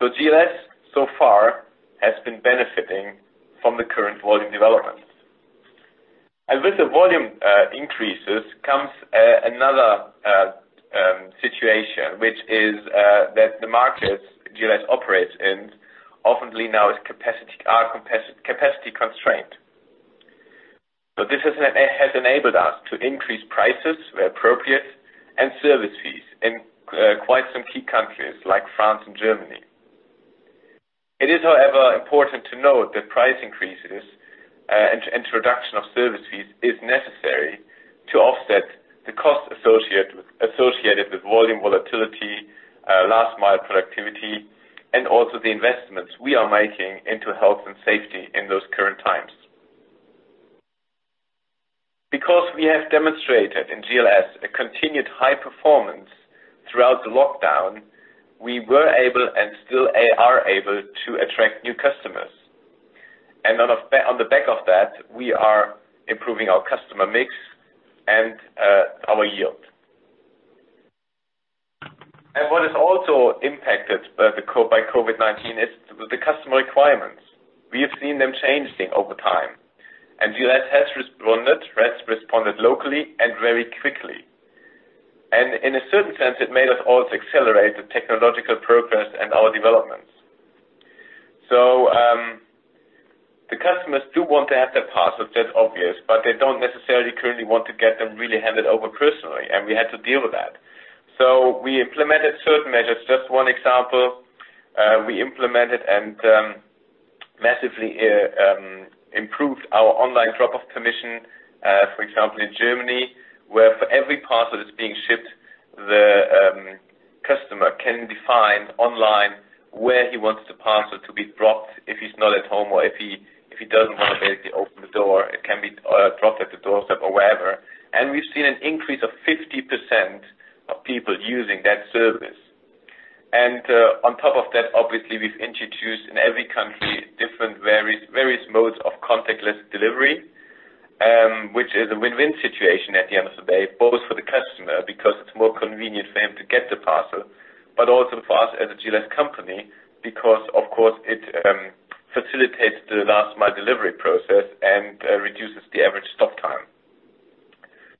GLS, so far, has been benefiting from the current volume developments. With the volume increases comes another situation, which is that the markets GLS operates in often now are capacity constrained. This has enabled us to increase prices where appropriate and service fees in quite some key countries like France and Germany. It is, however, important to note that price increases and introduction of service fees is necessary to offset the cost associated with volume volatility, last mile productivity, and also the investments we are making into health and safety in those current times. Because we have demonstrated in GLS a continued high performance throughout the lockdown, we were able and still are able to attract new customers. On the back of that, we are improving our customer mix and our yield. What is also impacted by COVID-19 is the customer requirements. We have seen them changing over time, and GLS has responded locally and very quickly. In a certain sense, it made us also accelerate the technological progress and our developments. The customers do want to have their parcels, that's obvious, but they don't necessarily currently want to get them really handed over personally, and we had to deal with that. We implemented certain measures. Just one example, we implemented and massively improved our online drop-off permission. For example, in Germany, where for every parcel that's being shipped, the customer can define online where he wants the parcel to be dropped if he's not at home or if he doesn't want to basically open the door. It can be dropped at the doorstep or wherever. We've seen an increase of 50% of people using that service. On top of that, obviously, we've introduced in every country different various modes of contactless delivery, which is a win-win situation at the end of the day, both for the customer, because it's more convenient for them to get the parcel, but also for us as a GLS company, because of course it facilitates the last mile delivery process and reduces the average stop time.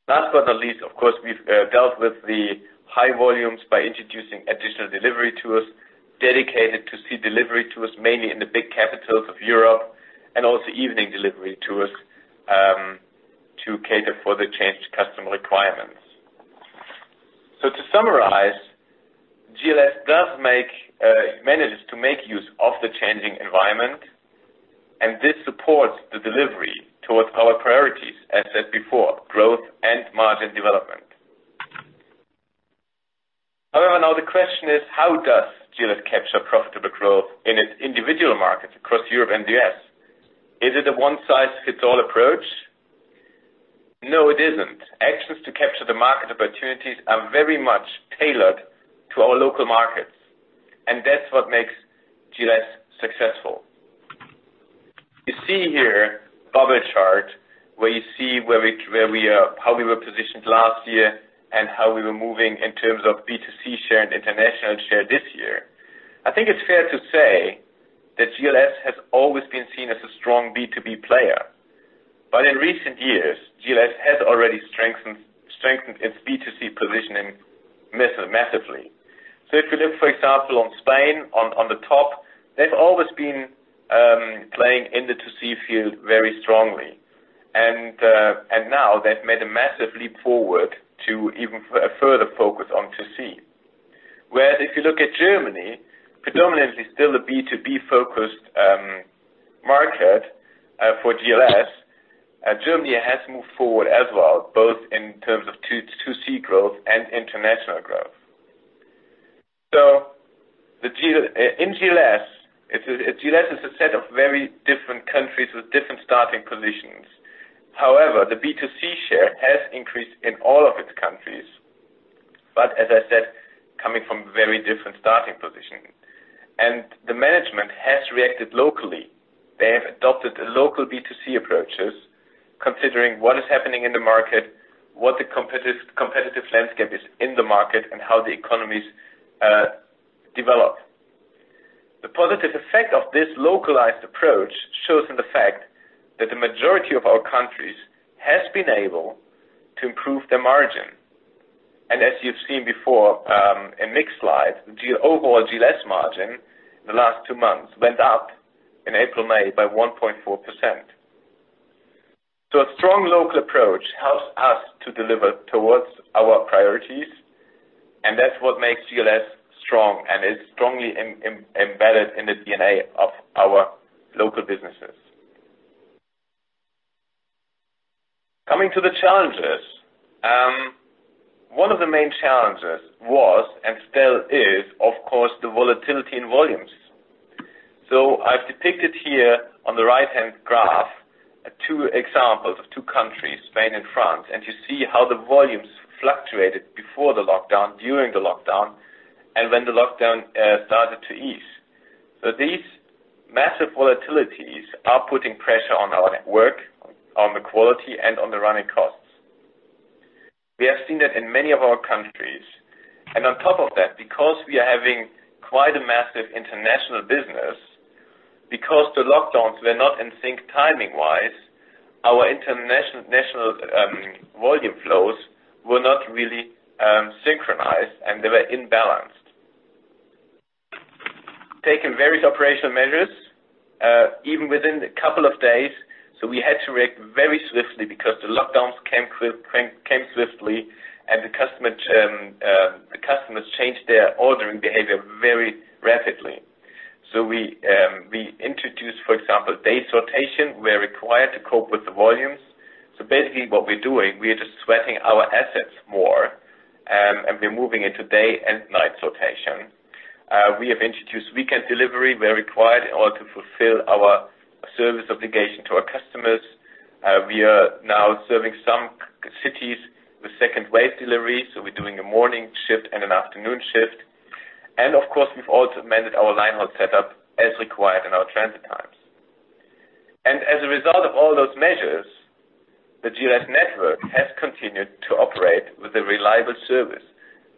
Last but not least, of course, we've dealt with the high volumes by introducing additional delivery tours dedicated to B2C delivery tours mainly in the big capitals of Europe and also evening delivery tours, to cater for the changed customer requirements. To summarize, GLS manages to make use of the changing environment, and this supports the delivery towards our priorities, as said before, growth and margin development to the growth in its individual markets across Europe and the U.S. Is it a one-size-fits-all approach? No, it isn't. Actions to capture the market opportunities are very much tailored to our local markets. That's what makes GLS successful. You see here, bubble chart, where you see how we were positioned last year and how we were moving in terms of B2C share and international share this year. I think it's fair to say that GLS has always been seen as a strong B2B player. In recent years, GLS has already strengthened its B2C positioning massively. If you look, for example, on Spain, on the top, they've always been playing in the 2C field very strongly. Now they've made a massive leap forward to even a further focus on 2C. Whereas if you look at Germany, predominantly still a B2B-focused market, for GLS, Germany has moved forward as well, both in terms of 2C growth and international growth. In GLS is a set of very different countries with different starting positions. However, the B2C share has increased in all of its countries, but as I said, coming from very different starting positions. The management has reacted locally. They have adopted local B2C approaches, considering what is happening in the market, what the competitive landscape is in the market, and how the economies develop. The positive effect of this localized approach shows in the fact that the majority of our countries has been able to improve their margin. As you've seen before, in Mick's slide, the overall GLS margin, the last two months, went up in April/May by 1.4%. A strong local approach helps us to deliver towards our priorities, and that's what makes GLS strong and is strongly embedded in the DNA of our local businesses. Coming to the challenges. One of the main challenges was, and still is, of course, the volatility in volumes. I've depicted here, on the right-hand graph, two examples of two countries, Spain and France. You see how the volumes fluctuated before the lockdown, during the lockdown, and when the lockdown started to ease. These massive volatilities are putting pressure on our network, on the quality, and on the running costs. We have seen that in many of our countries. On top of that, because we are having quite a massive international business, because the lockdowns were not in sync timing-wise, our international volume flows were not really synchronized, and they were imbalanced. Taken various operational measures, even within the couple of days. We had to react very swiftly because the lockdowns came swiftly, and the customers changed their ordering behavior very rapidly. We introduced, for example, day sortation, where required, to cope with the volumes. Basically, what we're doing, we are just sweating our assets more, and we're moving it to day and night sortation. We have introduced weekend delivery, where required, in order to fulfill our service obligation to our customers. We are now serving some cities with second-wave delivery, so we're doing a morning shift and an afternoon shift. Of course, we've also amended our line-haul set up as required in our transit times. As a result of all those measures, the GLS network has continued to operate with a reliable service,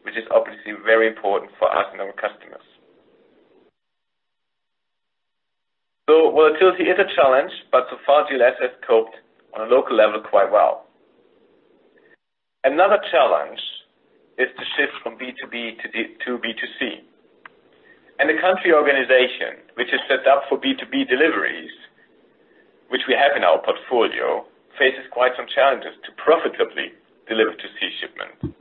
which is obviously very important for us and our customers. Volatility is a challenge, but so far, GLS has coped on a local level quite well. Another challenge is the shift from B2B to B2C. The country organization, which is set up for B2B deliveries, which we have in our portfolio, faces quite some challenges to profitably deliver 2C shipments.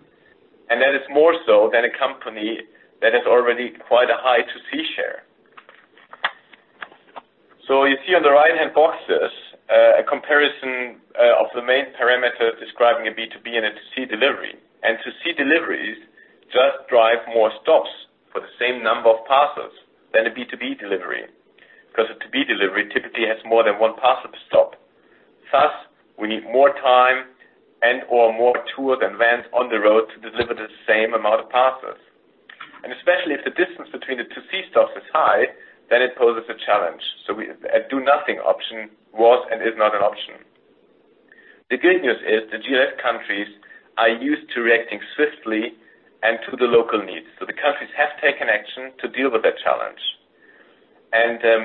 That is more so than a company that has already quite a high 2C share. You see on the right-hand boxes, a comparison of the main parameters describing a B2B and a 2C delivery. 2C deliveries just drive more stops for the same number of parcels than a B2B delivery, because a B2B delivery typically has more than one parcel to stop. Thus, we need more time and/or more tour than vans on the road to deliver the same amount of parcels. Especially if the distance between the 2C stops is high, then it poses a challenge. A do-nothing option was and is not an option. The good news is that GLS countries are used to reacting swiftly and to the local needs. The countries have taken action to deal with that challenge.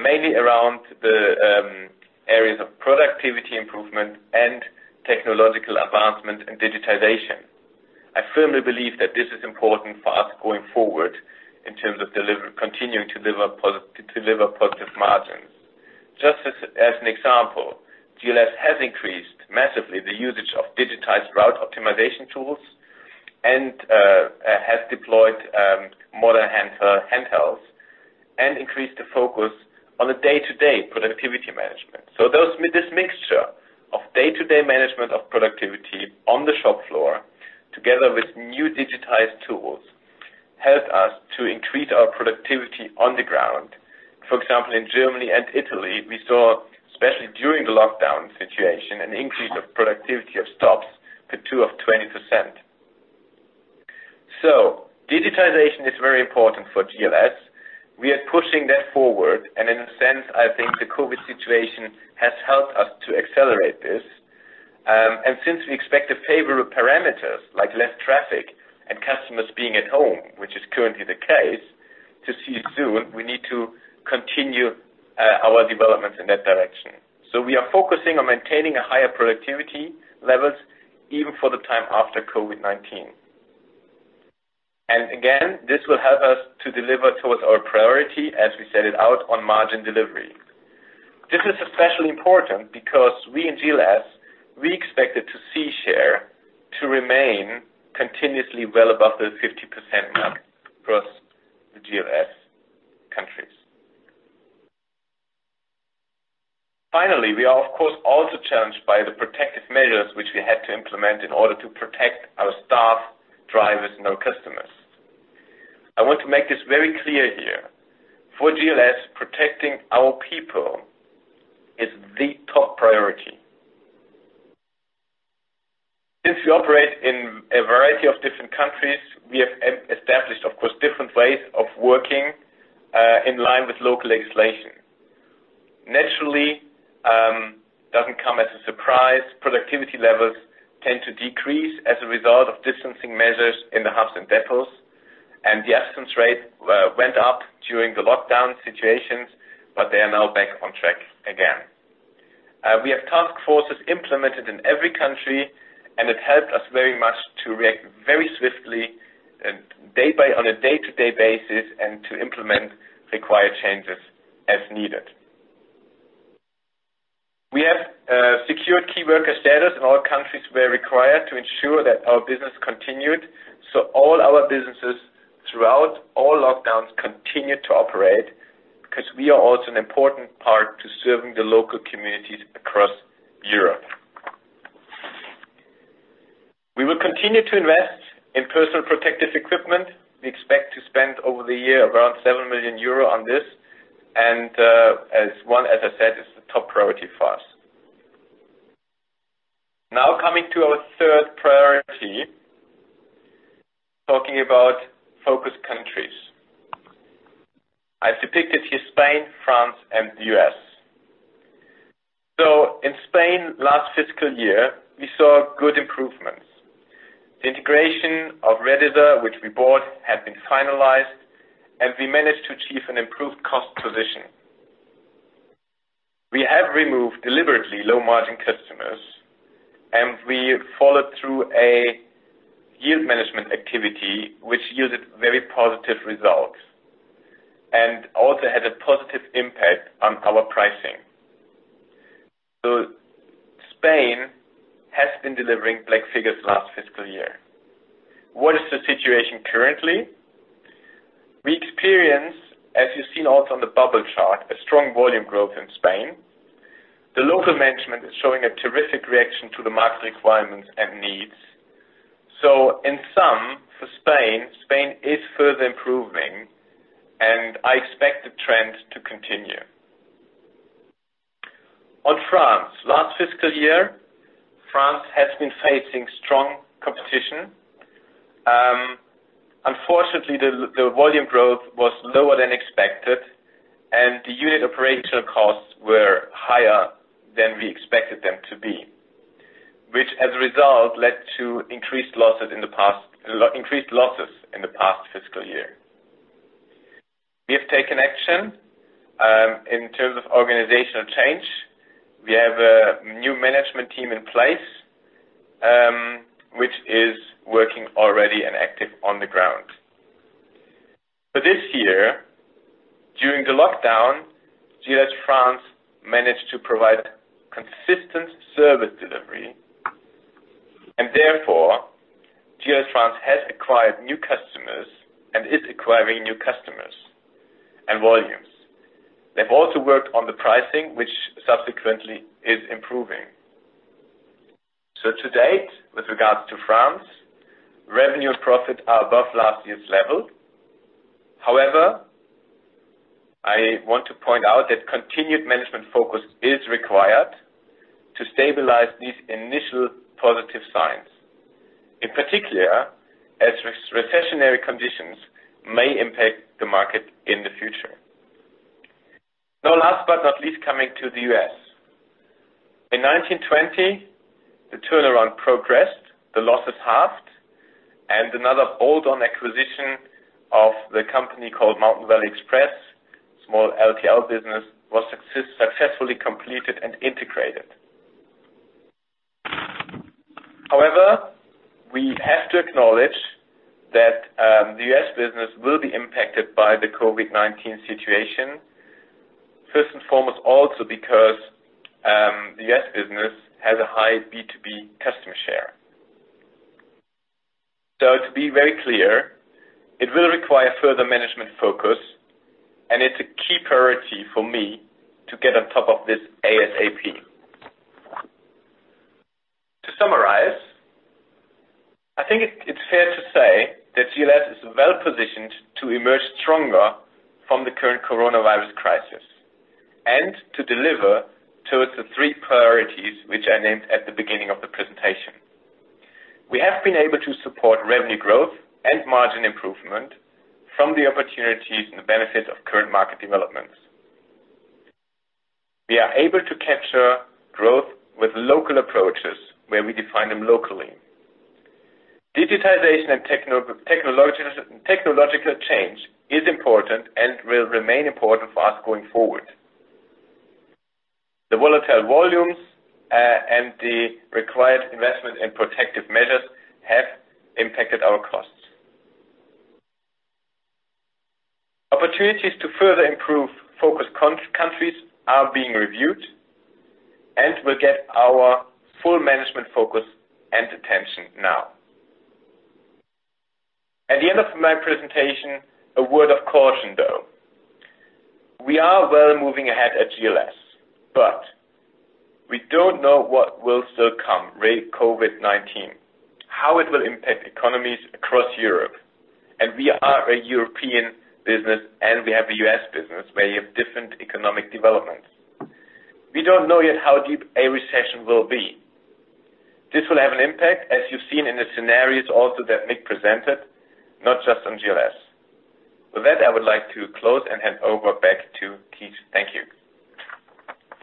Mainly around the areas of productivity improvement and technological advancement and digitization. I firmly believe that this is important for us going forward in terms of continuing to deliver positive margins. Just as an example, GLS has increased massively the usage of digitized route optimization tools and has deployed modern handhelds and increased the focus on the day-to-day productivity management. This mixture Day management of productivity on the shop floor, together with new digitized tools, helped us to increase our productivity on the ground. For example, in Germany and Italy, we saw, especially during the lockdown situation, an increase of productivity of stops to 20%. Digitization is very important for GLS. We are pushing that forward, and in a sense, I think the COVID situation has helped us to accelerate this. Since we expect favorable parameters, like less traffic and customers being at home, which is currently the case, to see soon, we need to continue our developments in that direction. We are focusing on maintaining higher productivity levels even for the time after COVID-19. Again, this will help us to deliver towards our priority as we set it out on margin delivery. This is especially important because we in GLS, we expected to see share to remain continuously well above the 50% mark across the GLS countries. We are, of course, also challenged by the protective measures which we had to implement in order to protect our staff, drivers, and our customers. I want to make this very clear here. For GLS, protecting our people is the top priority. Since we operate in a variety of different countries, we have established, of course, different ways of working in line with local legislation. Naturally, doesn't come as a surprise, productivity levels tend to decrease as a result of distancing measures in the hubs and depots, and the absence rate went up during the lockdown situations, but they are now back on track again. We have task forces implemented in every country, and it helped us very much to react very swiftly on a day-to-day basis and to implement required changes as needed. We have secured key worker status in all countries where required to ensure that our business continued. All our businesses throughout all lockdowns continued to operate because we are also an important part to serving the local communities across Europe. We will continue to invest in personal protective equipment. We expect to spend over the year around 7 million euro on this, and as I said, it's the top priority for us. Coming to our third priority, talking about focus countries. I depicted here Spain, France, and the U.S. In Spain last fiscal year, we saw good improvements. The integration of Redyser, which we bought, had been finalized, and we managed to achieve an improved cost position. We have removed deliberately low-margin customers, and we followed through a yield management activity which yielded very positive results and also had a positive impact on our pricing. Spain has been delivering black figures last fiscal year. What is the situation currently? We experience, as you've seen also on the bubble chart, a strong volume growth in Spain. The local management is showing a terrific reaction to the market requirements and needs. In sum, for Spain is further improving, and I expect the trend to continue. On France. Last fiscal year, France has been facing strong competition. Unfortunately, the volume growth was lower than expected, and the unit operational costs were higher than we expected them to be, which, as a result, led to increased losses in the past fiscal year. We have taken action in terms of organizational change. We have a new management team in place, which is working already and active on the ground. For this year, during the lockdown, GLS France managed to provide consistent service delivery, and therefore, GLS France has acquired new customers and is acquiring new customers and volumes. They've also worked on the pricing, which subsequently is improving. To date, with regards to France, revenue and profit are above last year's level. However, I want to point out that continued management focus is required to stabilize these initial positive signs, in particular, as recessionary conditions may impact the market in the future. Last but not least, coming to the US. In 19/20, the turnaround progressed, the losses halved, and another add-on acquisition of the company called Mountain Valley Express, small LTL business, was successfully completed and integrated. However, we have to acknowledge that the US business will be impacted by the COVID-19 situation, first and foremost also because the US business has a high B2C. To be very clear, it will require further management focus, and it's a key priority for me to get on top of this ASAP. To summarize, I think it's fair to say that GLS is well-positioned to emerge stronger from the current coronavirus crisis and to deliver towards the three priorities, which I named at the beginning of the presentation. We have been able to support revenue growth and margin improvement from the opportunities and the benefits of current market developments. We are able to capture growth with local approaches where we define them locally. Digitalization and technological change is important and will remain important for us going forward. The volatile volumes, and the required investment in protective measures have impacted our costs. Opportunities to further improve focus countries are being reviewed and will get our full management focus and attention now. At the end of my presentation, a word of caution, though. We are well moving ahead at GLS. We don't know what will still come re COVID-19, how it will impact economies across Europe, and we are a European business, and we have a U.S. business where you have different economic developments. We don't know yet how deep a recession will be. This will have an impact, as you've seen in the scenarios also that Mick presented, not just on GLS. With that, I would like to close and hand over back to Keith. Thank you.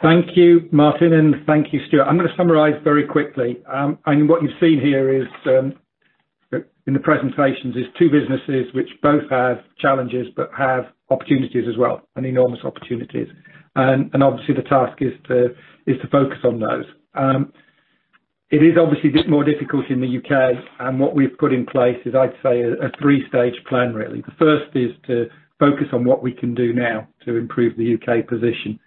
Thank you, Martin, and thank you, Stuart. I'm going to summarize very quickly. What you've seen here is, in the presentations, is two businesses which both have challenges but have opportunities as well, and enormous opportunities. Obviously, the task is to focus on those. It is obviously more difficult in the U.K., and what we've put in place is, I'd say, a three-stage plan, really. The first is to focus on what we can do now to improve the U.K. position,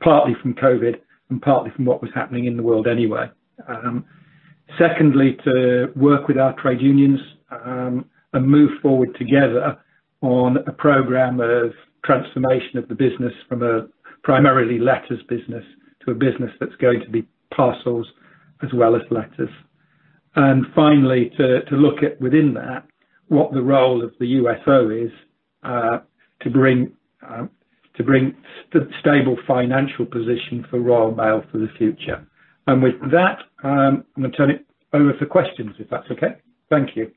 partly from COVID-19 and partly from what was happening in the world anyway. Secondly, to work with our trade unions and move forward together on a program of transformation of the business from a primarily letters business to a business that's going to be parcels as well as letters. Finally, to look at within that, what the role of the USO is to bring the stable financial position for Royal Mail for the future. With that, I'm going to turn it over for questions, if that's okay. Thank you.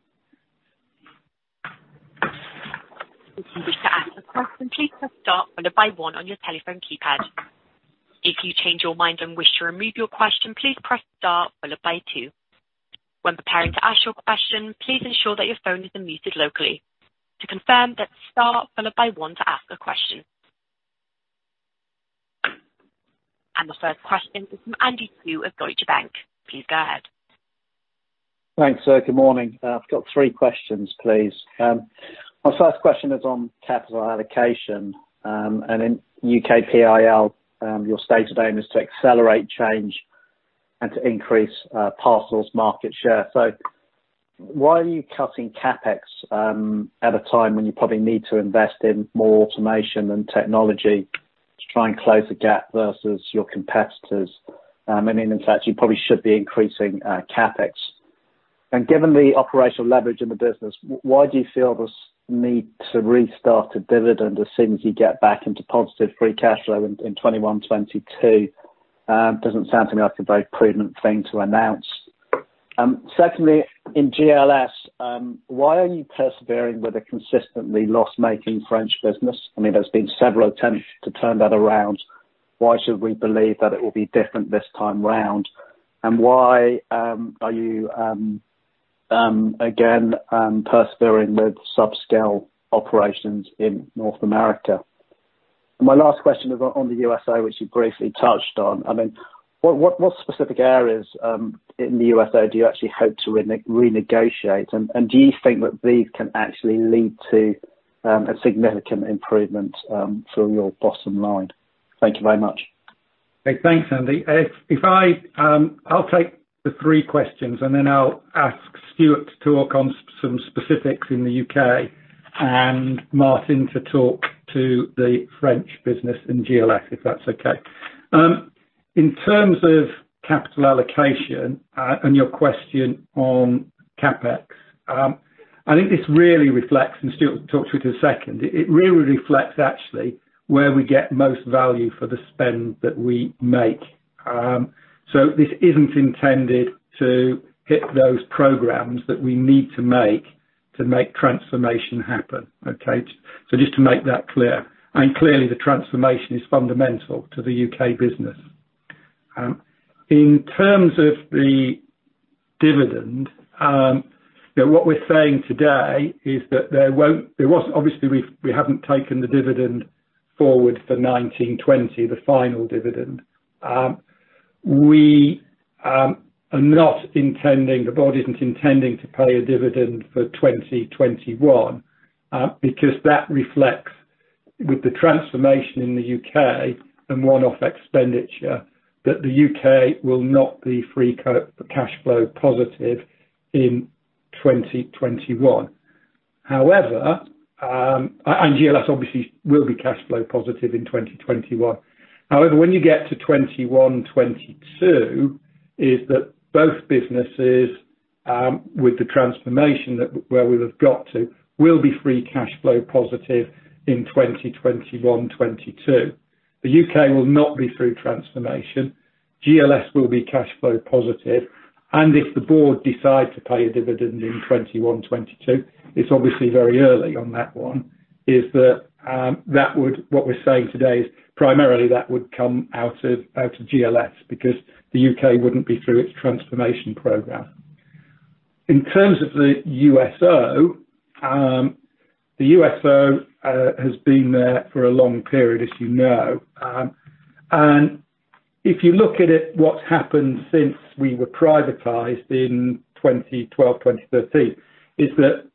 If you wish to ask a question, please press star followed by one on your telephone keypad. If you change your mind and wish to remove your question, please press star followed by two. When preparing to ask your question, please ensure that your phone is unmuted locally. To confirm, that's star followed by one to ask a question. The first question is from Andy Chu of Deutsche Bank. Please go ahead. Thanks, sir. Good morning. I've got three questions, please. My first question is on capital allocation and in UKPIL, your stated aim is to accelerate change and to increase parcels market share. Why are you cutting CapEx at a time when you probably need to invest in more automation and technology to try and close the gap versus your competitors? In fact, you probably should be increasing CapEx. Given the operational leverage in the business, why do you feel this need to restart a dividend as soon as you get back into positive free cash flow in 2021, 2022? Doesn't sound to me like a very prudent thing to announce. Secondly, in GLS, why are you persevering with a consistently loss-making GLS France? There's been several attempts to turn that around. Why should we believe that it will be different this time round? Why are you, again, persevering with subscale operations in North America? My last question is on the USO, which you briefly touched on. What specific areas in the USO do you actually hope to renegotiate, and do you think that these can actually lead to a significant improvement for your bottom line? Thank you very much. Thanks, Andy. I'll take the three questions, and then I'll ask Stuart to talk on some specifics in the U.K. and Martin to talk to the French business in GLS, if that's okay. In terms of capital allocation and your question on CapEx, I think this really reflects, and Stuart will talk to it in a second. It really reflects actually where we get most value for the spend that we make. This isn't intended to hit those programs that we need to make, to make transformation happen. Okay. Just to make that clear. Clearly, the transformation is fundamental to the U.K. business. In terms of the dividend, what we're saying today is that obviously, we haven't taken the dividend forward for 19/20, the final dividend. We are not intending, the board isn't intending to pay a dividend for 2021 because that reflects, with the transformation in the U.K. and one-off expenditure, that the U.K. will not be free cash flow positive in 2021. GLS obviously will be cash flow positive in 2021. However, when you get to 2021, 2022, is that both businesses, with the transformation where we have got to, will be free cash flow positive in 2021, 2022. The U.K. will not be through transformation. GLS will be cash flow positive. If the board decide to pay a dividend in 2021, 2022, it's obviously very early on that one, what we're saying today is primarily that would come out of GLS because the U.K. wouldn't be through its transformation program. In terms of the USO, the USO has been there for a long period, as you know. If you look at it, what has happened since we were privatized in 2012, 2013, is that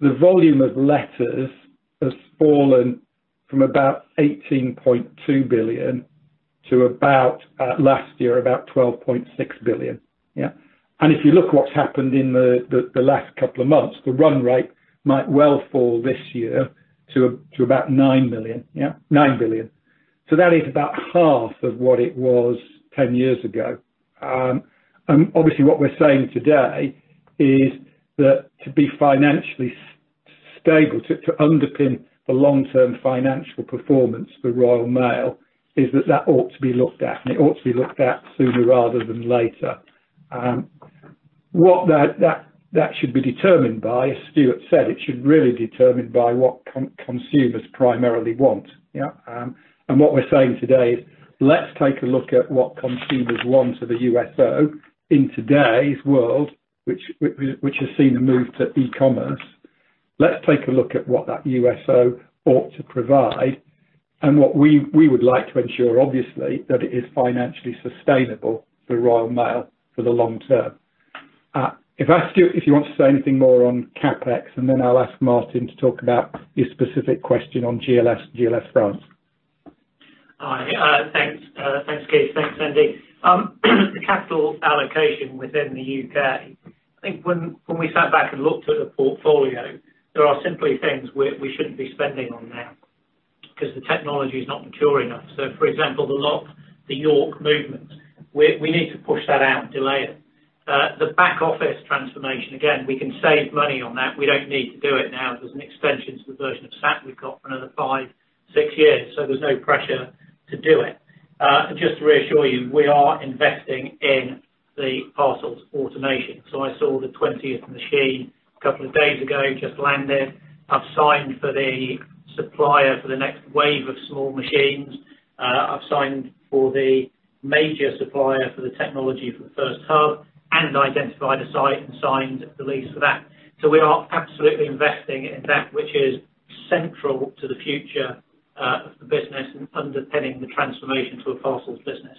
the volume of letters has fallen from about 18.2 billion to, last year, about 12.6 billion. Yeah. If you look what has happened in the last couple of months, the run rate might well fall this year to about 9 billion. Yeah, 9 billion. That is about half of what it was 10 years ago. Obviously, what we're saying today is that to be financially stable, to underpin the long-term financial performance for Royal Mail, is that ought to be looked at, and it ought to be looked at sooner rather than later. What that should be determined by, as Stuart said, it should really determined by what consumers primarily want. Yeah? What we're saying today is, let's take a look at what consumers want of the USO in today's world, which has seen a move to e-commerce. Let's take a look at what that USO ought to provide and what we would like to ensure, obviously, that it is financially sustainable for Royal Mail for the long term. If you want to say anything more on CapEx, and then I'll ask Martin to talk about your specific question on GLS France. Hi. Thanks. Thanks, Keith. Thanks, Andy. The capital allocation within the U.K., I think when we sat back and looked at the portfolio, there are simply things we shouldn't be spending on now because the technology is not mature enough. For example, the York movement, we need to push that out and delay it. The back office transformation, again, we can save money on that. We don't need to do it now. There's an extension to the version of SAP we've got for another five, six years, so there's no pressure to do it. Just to reassure you, we are investing in the parcels automation. I saw the 20th machine a couple of days ago, just landed. I've signed for the supplier for the next wave of small machines. I've signed for the major supplier for the technology for the first hub and identified a site and signed the lease for that. We are absolutely investing in that which is central to the future of the business and underpinning the transformation to a parcels business.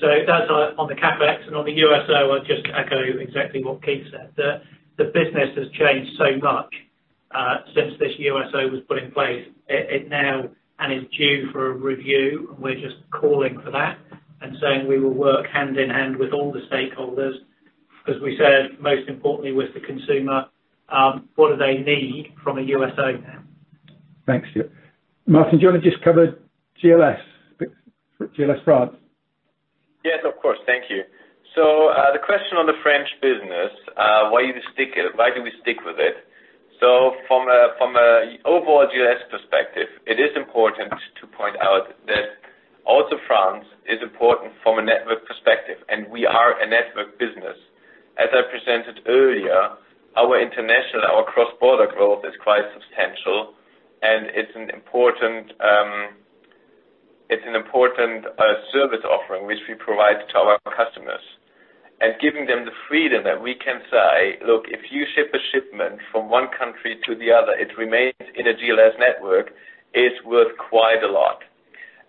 That's on the CapEx and on the USO, I'll just echo exactly what Keith said. The business has changed so much since this USO was put in place and is due for a review, and we're just calling for that and saying we will work hand in hand with all the stakeholders, as we said, most importantly with the consumer, what do they need from a USO now? Thanks, Stuart. Martin, do you want to just cover GLS France? Yes, of course. Thank you. The question on the French business, why do we stick with it? From an overall GLS perspective, it is important to point out that also France is important from a network perspective, and we are a network business. As I presented earlier, our international, our cross-border growth is quite substantial, and it is an important service offering which we provide to our customers. Giving them the freedom that we can say, "Look, if you ship a shipment from one country to the other, it remains in a GLS network," is worth quite a lot.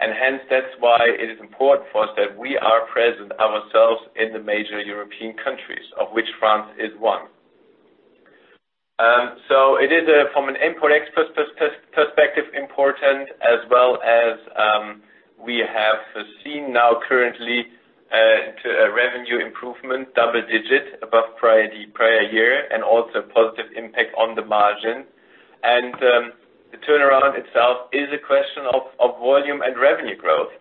That is why it is important for us that we are present ourselves in the major European countries, of which France is one. It is from an import-export perspective important as well as we have seen now currently into a revenue improvement, double-digit above prior year and also positive impact on the margin. The turnaround itself is a question of volume and revenue growth.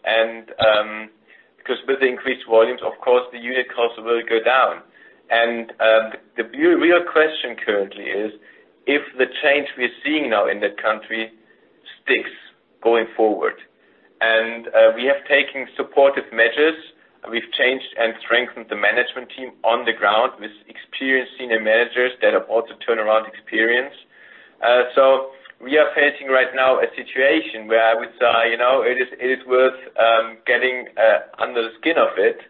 Because with increased volumes, of course, the unit cost will go down. The real question currently is if the change we're seeing now in that country sticks going forward. We have taken supportive measures. We've changed and strengthened the management team on the ground with experienced senior managers that have also turnaround experience. We are facing right now a situation where I would say, it is worth getting under the skin of it.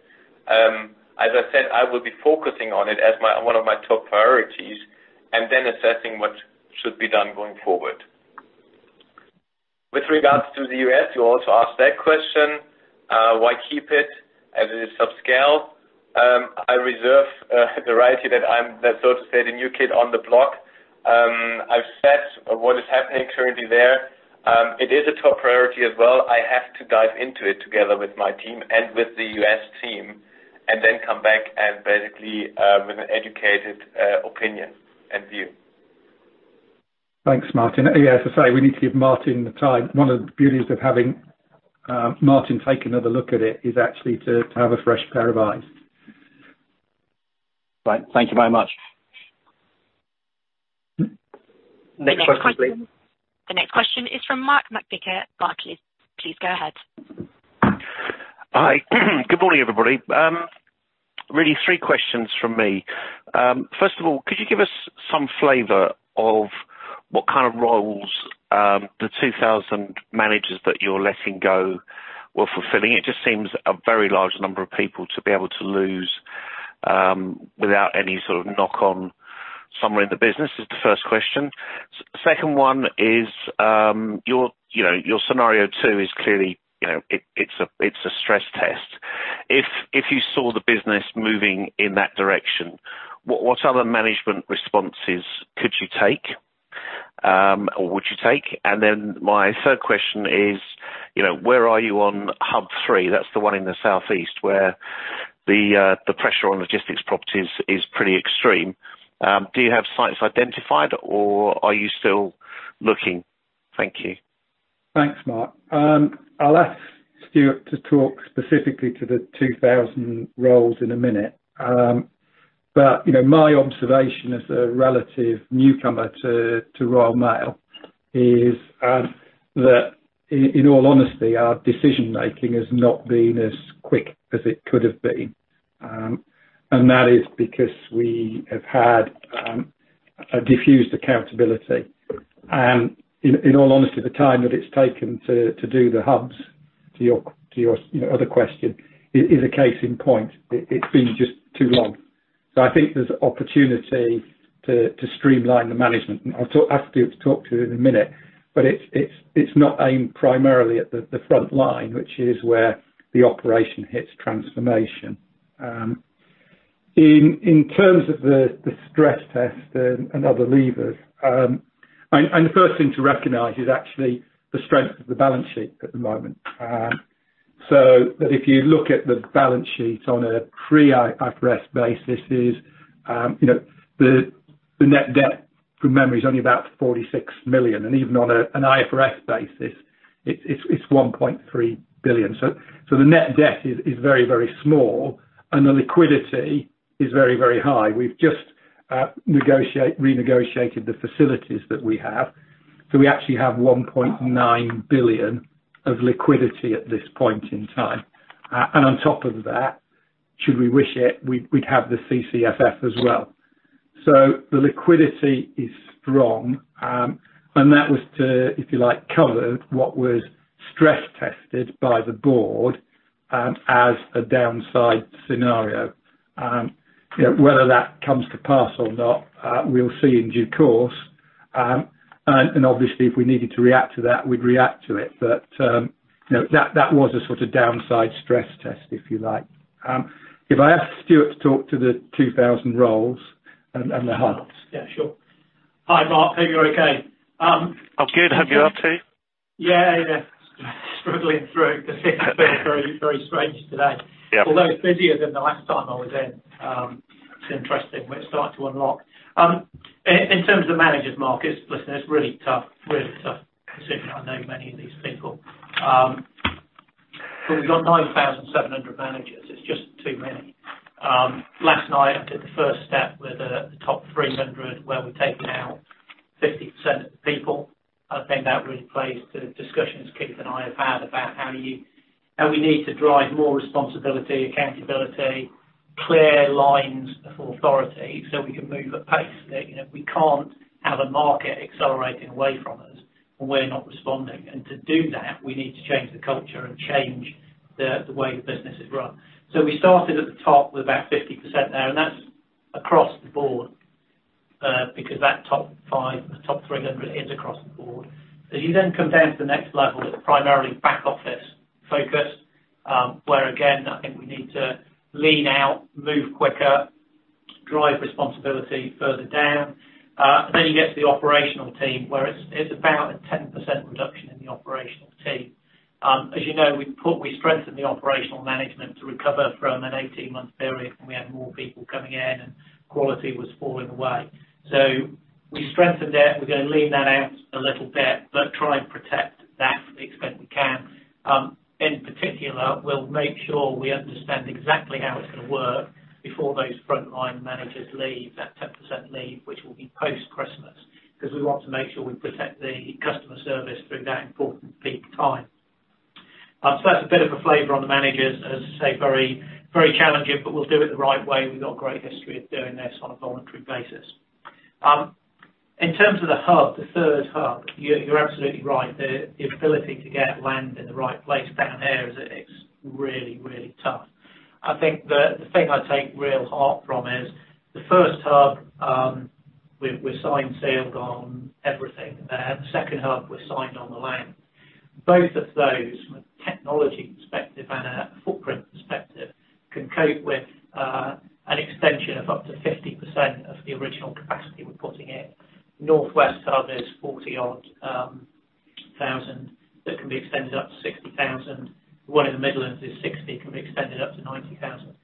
As I said, I will be focusing on it as one of my top priorities and then assessing what should be done going forward. With regards to the U.S., you also asked that question why keep it as it is subscale. I reserve the right here that I'm, so to say, the new kid on the block. I've set what is happening currently there. It is a top priority as well. I have to dive into it together with my team and with the U.S. team, and then come back and basically with an educated opinion and view. Thanks, Martin. Yeah, as I say, we need to give Martin the time. One of the beauties of having Martin take another look at it is actually to have a fresh pair of eyes. Right. Thank you very much. Next question, please. The next question is from Mark McVicar at Barclays. Please go ahead. Hi. Good morning, everybody. Really three questions from me. First of all, could you give us some flavor of what kind of roles the 2,000 managers that you're letting go were fulfilling? It just seems a very large number of people to be able to lose, without any sort of knock-on somewhere in the business. This is the first question. Second one is your scenario two is clearly, it's a stress test. If you saw the business moving in that direction, what other management responses could you take, or would you take? My third question is, where are you on Hub three? That's the one in the southeast, where the pressure on logistics properties is pretty extreme. Do you have sites identified, or are you still looking? Thank you. Thanks, Mark. I'll ask Stuart to talk specifically to the 2,000 roles in a minute. My observation as a relative newcomer to Royal Mail is that in all honesty, our decision-making has not been as quick as it could have been. That is because we have had a diffused accountability. In all honesty, the time that it's taken to do the hubs to your other question is a case in point. It's been just too long. I think there's opportunity to streamline the management. I'll ask Stuart to talk to you in a minute, but it's not aimed primarily at the front line, which is where the operation hits transformation. In terms of the stress test and other levers, and the first thing to recognize is actually the strength of the balance sheet at the moment. That if you look at the balance sheet on a pre-IFRS basis is the net debt, from memory, is only about 46 million, and even on an IFRS basis, it's 1.3 billion. The net debt is very, very small, and the liquidity is very, very high. We've just renegotiated the facilities that we have, so we actually have 1.9 billion of liquidity at this point in time. On top of that, should we wish it, we'd have the CCFF as well. The liquidity is strong, and that was to, if you like, cover what was stress tested by the board as a downside scenario. Whether that comes to pass or not, we'll see in due course. Obviously, if we needed to react to that, we'd react to it. That was a sort of downside stress test, if you like. If I ask Stuart to talk to the 2,000 roles and the hubs. Yeah, sure. Hi, Mark. Hope you're okay. I'm good. How are you up to? Yeah. Struggling through because it's been very, very strange today. Yeah. Although busier than the last time I was in. It's interesting, we're starting to unlock. In terms of the managers, Mark, listen, it's really tough. Really tough, considering I know many of these people. We've got 9,700 managers. It's just too many. Last night, I took the first step with the top 300, where we're taking out 50% of the people. I think that really plays to the discussions Keith and I have had about how we need to drive more responsibility, accountability, clear lines of authority, so we can move at pace. We can't have a market accelerating away from us when we're not responding. To do that, we need to change the culture and change the way the business is run. We started at the top with about 50% there, and that's across the board. That top five, the top 300, is across the board. You then come down to the next level that's primarily back office focused, where again, I think we need to lean out, move quicker, drive responsibility further down. You get to the operational team, where it's about a 10% reduction in the operational team. As you know, we strengthened the operational management to recover from an 18-month period when we had more people coming in and quality was falling away. We strengthened it. We're going to lean that out a little bit, but try and protect that to the extent we can. In particular, we'll make sure we understand exactly how it's going to work before those frontline managers leave, that 10% leave, which will be post-Christmas, because we want to make sure we protect the customer service through that important peak time. That's a bit of a flavor on the managers. As I say, very challenging, but we'll do it the right way. We've got a great history of doing this on a voluntary basis. In terms of the hub, the third hub, you're absolutely right. The ability to get land in the right place down there is really, really tough. I think the thing I take real heart from is the first hub. We're signed, sealed on everything. The second hub, we're signed on the land. Both of those, from a technology perspective and a footprint perspective, can cope with an extension of up to 50% of the original capacity we're putting in. Northwest hub is 40-odd thousand that can be extended up to 60,000. The one in the Midlands is 60, can be extended up to 90,000.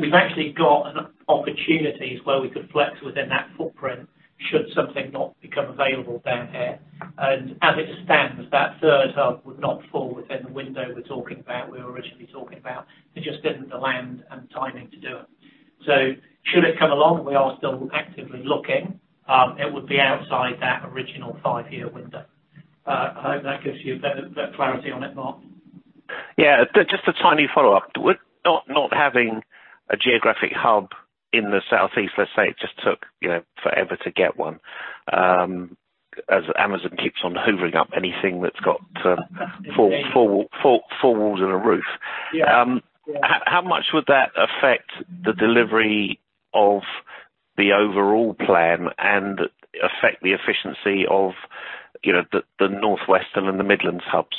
We've actually got opportunities where we could flex within that footprint should something not become available down here. As it stands, that third hub would not fall within the window we're talking about, we were originally talking about. There just isn't the land and timing to do it. Should it come along, we are still actively looking, it would be outside that original five-year window. I hope that gives you better clarity on it, Mark. Yeah. Just a tiny follow-up. Would not having a geographic hub in the Southeast, let's say it just took forever to get one, as Amazon keeps on hoovering up anything four walls and a roof. Yeah. How much would that affect the delivery of the overall plan and affect the efficiency of the northwestern and the Midlands hubs?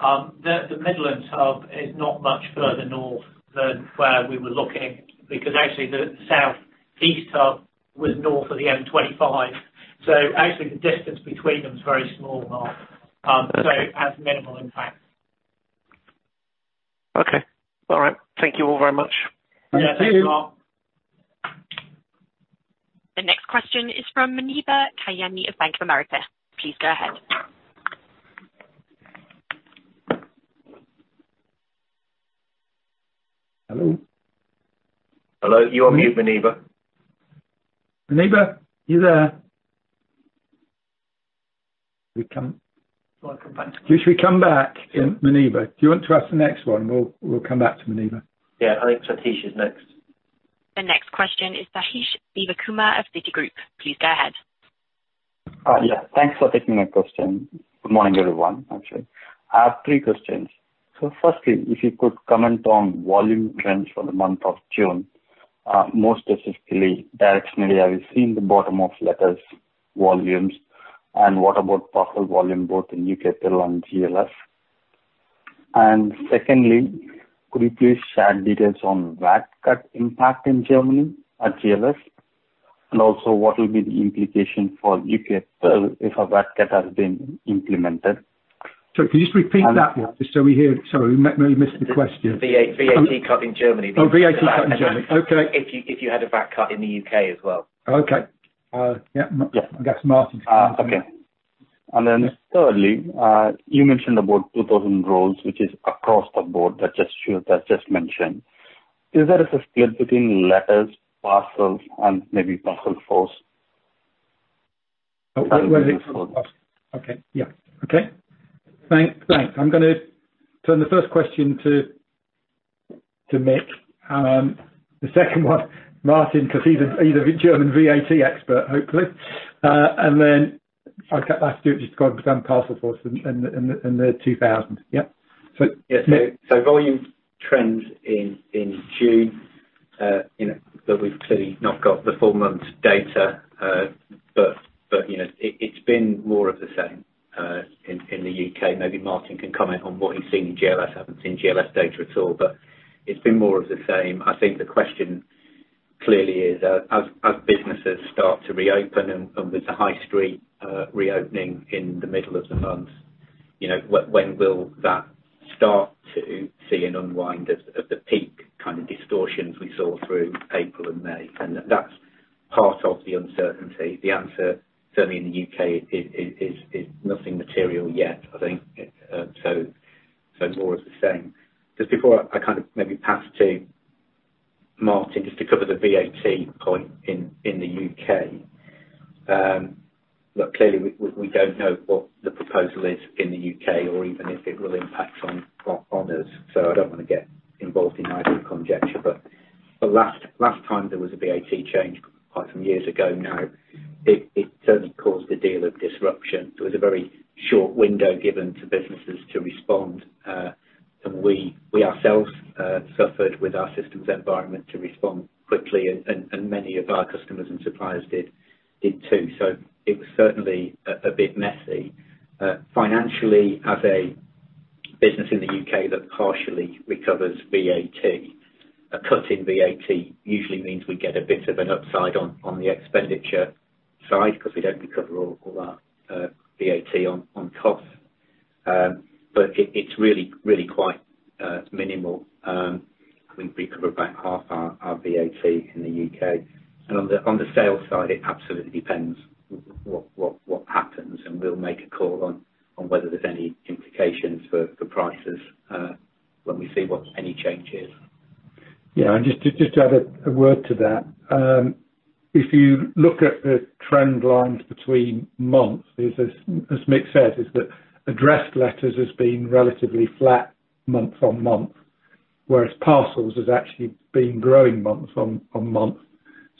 The Midlands hub is not much further north than where we were looking because actually the Southeast hub was north of the M25. Actually the distance between them is very small, Mark. It has minimal impact. Okay. All right. Thank you all very much. Yeah. Thank you, Mark. The next question is from Muneeba Kayani of Bank of America. Please go ahead. Hello? Hello. You're on mute, Muneeba. Muneeba, you there? Shall I come back to Muneeba? Shall we come back to Muneeba? Do you want to ask the next one? We'll come back to Muneeba. Yeah. I think Sathish is next. The next question is Sathish Sivakumar of Citigroup. Please go ahead. Yeah. Thanks for taking my question. Good morning, everyone. I have three questions. Firstly, if you could comment on volume trends for the month of June, more specifically, directionally, have you seen the bottom of letters volumes? What about parcel volume both in UKPIL and GLS? Secondly, could you please share details on VAT cut impact in Germany at GLS? Also what will be the implication for UKPIL if a VAT cut has been implemented? Sorry, can you just repeat that so we hear. Sorry, maybe we missed the question. The VAT cut in Germany. Oh, VAT cut in Germany. Okay. If you had a VAT cut in the U.K. as well. Okay. Yeah. Yes. I guess Martin can take it. Okay. Thirdly, you mentioned about 2,000 roles, which is across the board that just mentioned. Is there a split between letters, parcels, and maybe Parcelforce? Okay. Yeah. Okay. Thanks. I'm gonna turn the first question to Mick. Then the second one, Martin, because he's a German VAT expert, hopefully. Then I'll take that to do it just because I'm Parcelforce and the 2,000. Yep. Yeah. Volume trends in June, but we've clearly not got the full month data. It's been more of the same in the U.K. Maybe Martin can comment on what he's seen in GLS. I haven't seen GLS data at all. It's been more of the same. I think the question clearly is, as businesses start to reopen and with the high street reopening in the middle of the month, when will that start to see an unwind of the peak kind of distortions we saw through April and May? That's part of the uncertainty. The answer certainly in the U.K. is nothing material yet, I think. More of the same. Just before I kind of maybe pass to Martin just to cover the VAT point in the U.K. Look, clearly, we don't know what the proposal is in the U.K. or even if it will impact on us. I don't want to get involved in idle conjecture. Last time there was a VAT change quite some years ago now, it certainly caused a deal of disruption. There was a very short window given to businesses to respond. We ourselves suffered with our systems environment to respond quickly, and many of our customers and suppliers did too. It was certainly a bit messy. Financially as a business in the U.K. that partially recovers VAT, a cut in VAT usually means we get a bit of an upside on the expenditure side because we don't recover all our VAT on costs. It's really quite minimal. We recover about half our VAT in the U.K. On the sales side, it absolutely depends what happens, and we'll make a call on whether there's any implications for prices when we see what any change is. Yeah. Just to add a word to that. If you look at the trend lines between months is, as Mick said, is that addressed letters has been relatively flat month-on-month, whereas parcels has actually been growing month-on-month.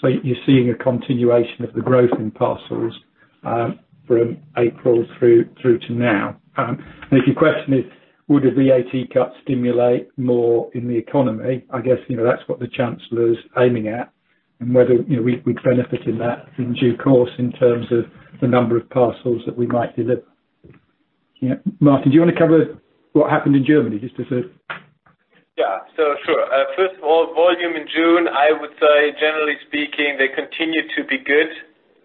You're seeing a continuation of the growth in parcels from April through to now. If your question is would a VAT cut stimulate more in the economy, I guess that's what the chancellor is aiming at, and whether we'd benefit in that in due course in terms of the number of parcels that we might deliver. Martin, do you want to cover what happened in Germany? Yeah. Sure. First of all, volume in June, I would say generally speaking, they continue to be good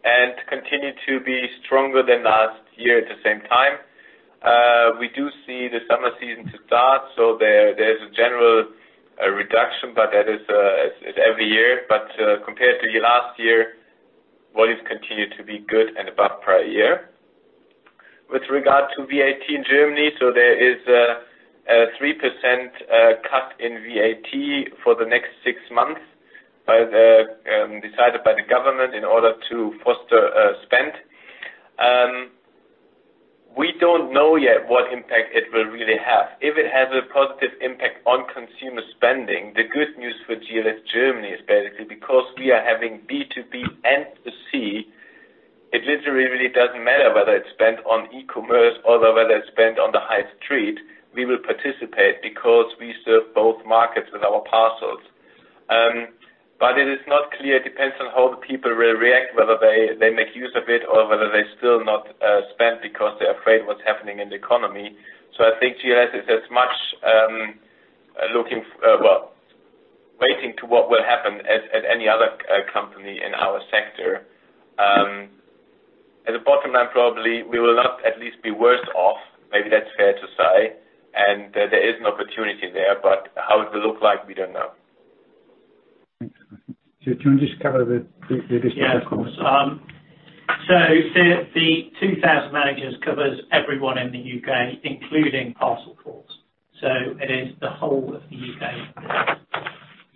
and continue to be stronger than last year at the same time. We do see the summer season to start, there's a general reduction, that is every year. Compared to last year, volumes continue to be good and above prior year. With regard to VAT in Germany, there is a 3% cut in VAT for the next six months decided by the government in order to foster spend. We don't know yet what impact it will really have. If it has a positive impact on consumer spending, the good news for GLS Germany is basically because we are having B2B and B2C, it literally really doesn't matter whether it's spent on e-commerce or whether it's spent on the high street, we will participate because we serve both markets with our parcels. It is not clear. It depends on how the people will react, whether they make use of it or whether they still not spend because they're afraid what's happening in the economy. I think GLS is as much waiting to what will happen as any other company in our sector. As a bottom line, probably we will not at least be worse off. Maybe that's fair to say, and there is an opportunity there, but how it will look like, we don't know. Thanks, Martin. Stuart, do you want to just cover the? Yes. The 2,000 managers covers everyone in the U.K., including Parcelforce. It is the whole of the U.K.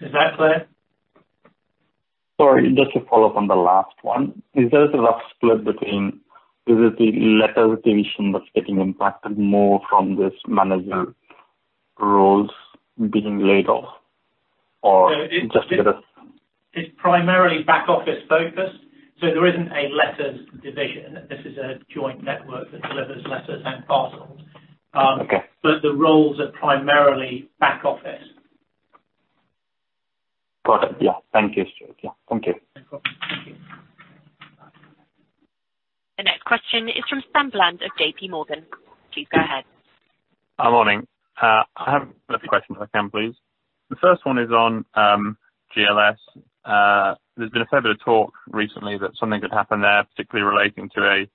Is that clear? Sorry, just to follow up on the last one. Is there a sort of split between, is it the letters division that's getting impacted more from this manager roles being laid off? It's primarily back office focused, so there isn't a letters division. This is a joint network that delivers letters and parcels. Okay. The roles are primarily back office. Got it. Yeah. Thank you, Stuart. Yeah. Thank you. No problem. Thank you. The next question is from Sam Bland of JPMorgan. Please go ahead. Good morning. I have a few questions if I can please. The first one is on GLS. There's been a fair bit of talk recently that something could happen there, particularly relating to a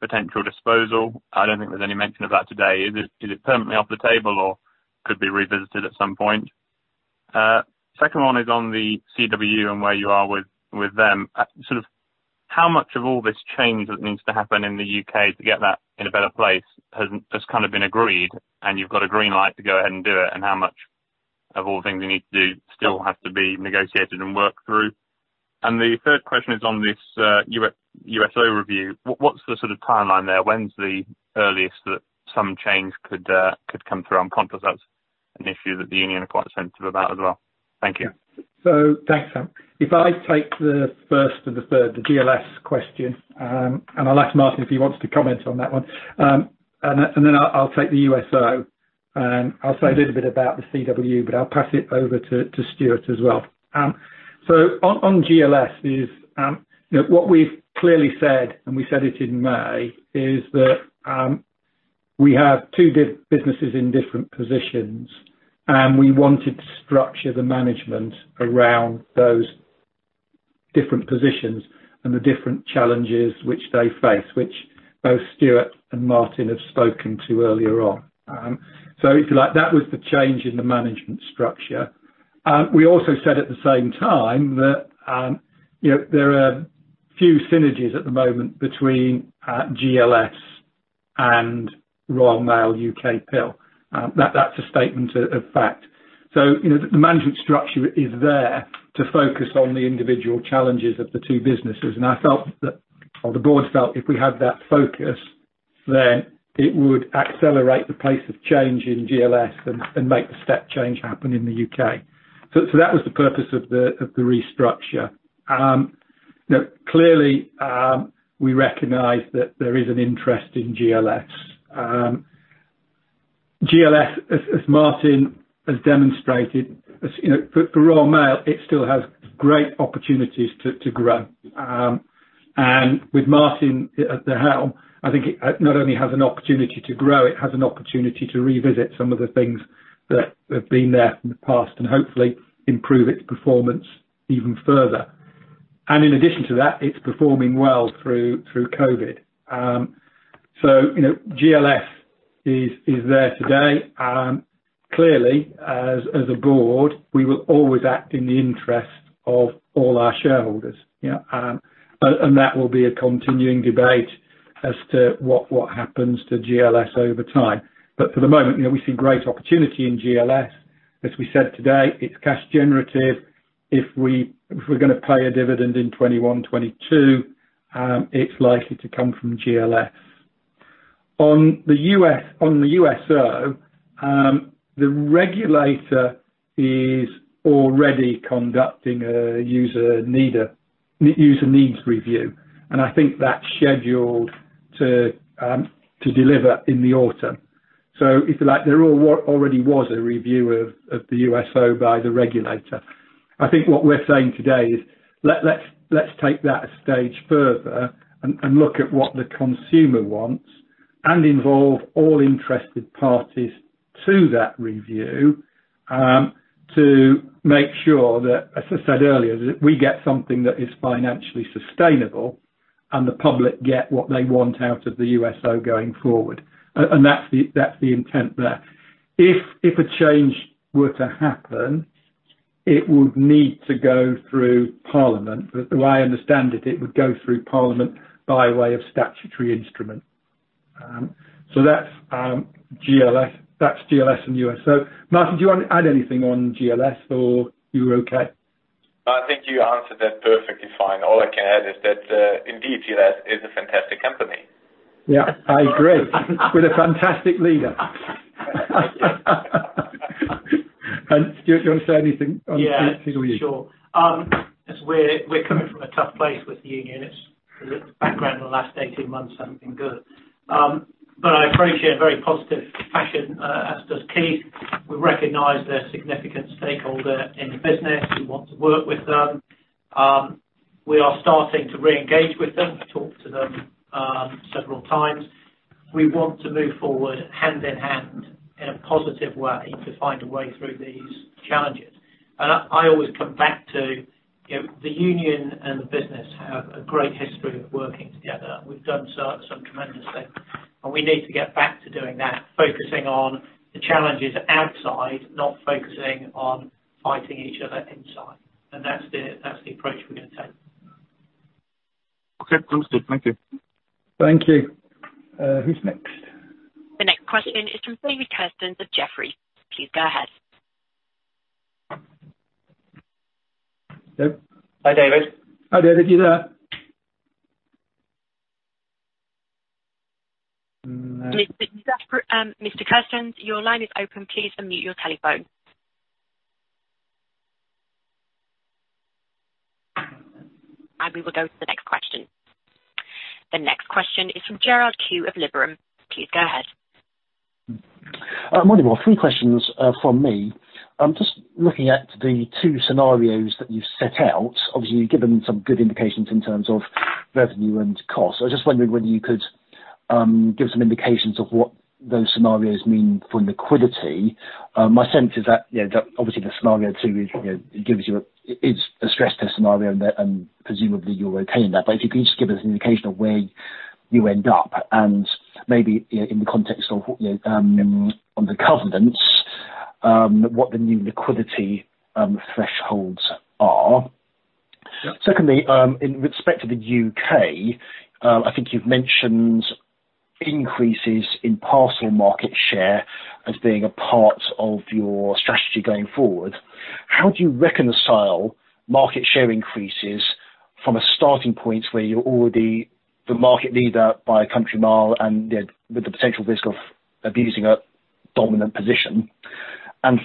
potential disposal. I don't think there's any mention of that today. Is it permanently off the table or could be revisited at some point? Second one is on the CWU and where you are with them. Sort of how much of all this change that needs to happen in the U.K. to get that in a better place has kind of been agreed and you've got a green light to go ahead and do it, and how much of all the things you need to do still have to be negotiated and worked through? The third question is on this USO review. What's the sort of timeline there? When's the earliest that some change could come through? I'm conscious that's an issue that the union are quite sensitive about as well. Thank you. Thanks, Sam. I take the first and the third, the GLS question, and I'll ask Martin if he wants to comment on that one, and then I'll take the USO. I'll say a little bit about the CW, but I'll pass it over to Stuart as well. On GLS is, what we've clearly said, and we said it in May, is that we have two businesses in different positions, and we wanted to structure the management around those different positions and the different challenges which they face, which both Stuart and Martin have spoken to earlier on. If you like, that was the change in the management structure. We also said at the same time that there are few synergies at the moment between GLS and Royal Mail UKPIL. That's a statement of fact. The management structure is there to focus on the individual challenges of the two businesses. I felt that or the board felt, if we had that focus, then it would accelerate the pace of change in GLS and make the step change happen in the U.K. That was the purpose of the restructure. We recognize that there is an interest in GLS. GLS, as Martin has demonstrated, for Royal Mail, it still has great opportunities to grow. With Martin at the helm, I think it not only has an opportunity to grow, it has an opportunity to revisit some of the things that have been there from the past and hopefully improve its performance even further. In addition to that, it's performing well through COVID. GLS is there today. Clearly, as a board, we will always act in the interest of all our shareholders. That will be a continuing debate as to what happens to GLS over time. For the moment, we see great opportunity in GLS. As we said today, it's cash generative. If we're going to pay a dividend in 2021, 2022, it's likely to come from GLS. On the USO, the regulator is already conducting a user needs review. I think that's scheduled to deliver in the autumn. There already was a review of the USO by the regulator. I think what we're saying today is let's take that a stage further and look at what the consumer wants and involve all interested parties to that review to make sure that, as I said earlier, that we get something that is financially sustainable and the public get what they want out of the USO going forward. That's the intent there. If a change were to happen, it would need to go through Parliament. The way I understand it would go through Parliament by way of statutory instrument. That's GLS and USO. Martin, do you want to add anything on GLS or you're okay? I think you answered that perfectly fine. All I can add is that indeed, GLS is a fantastic company. Yeah, I agree. With a fantastic leader. Stuart, do you want to say anything? Yeah GLS? Sure. We're coming from a tough place with the union. The background in the last 18 months hasn't been good. I approach it in a very positive fashion, as does Keith. We recognize they're a significant stakeholder in the business. We want to work with them. We are starting to re-engage with them. We've talked to them several times. We want to move forward hand-in-hand in a positive way to find a way through these challenges. I always come back to the union and the business have a great history of working together. We've done some tremendous things, and we need to get back to doing that, focusing on the challenges outside, not focusing on fighting each other inside. That's the approach we're going to take. Okay. Sounds good. Thank you. Thank you. Who's next? The next question is from David Kerstens of Jefferies. Please go ahead. Dave? Hi, David. Hi, David. You there? No. Mr. Kerstens, your line is open. Please unmute your telephone. We will go to the next question. The next question is from Gerald Khoo of Liberum. Please go ahead. Morning, all. Three questions from me. Just looking at the two scenarios that you've set out, obviously, you've given some good indications in terms of revenue and cost. I was just wondering whether you could give some indications of what those scenarios mean for liquidity. My sense is that, obviously, the scenario two is a stress test scenario, and presumably, you're okay in that. If you could just give us an indication of where you end up and maybe in the context of the covenants, what the new liquidity thresholds are. Secondly, in respect to the U.K., I think you've mentioned increases in parcel market share as being a part of your strategy going forward. How do you reconcile market share increases from a starting point where you're already the market leader by a country mile and with the potential risk of abusing a dominant position?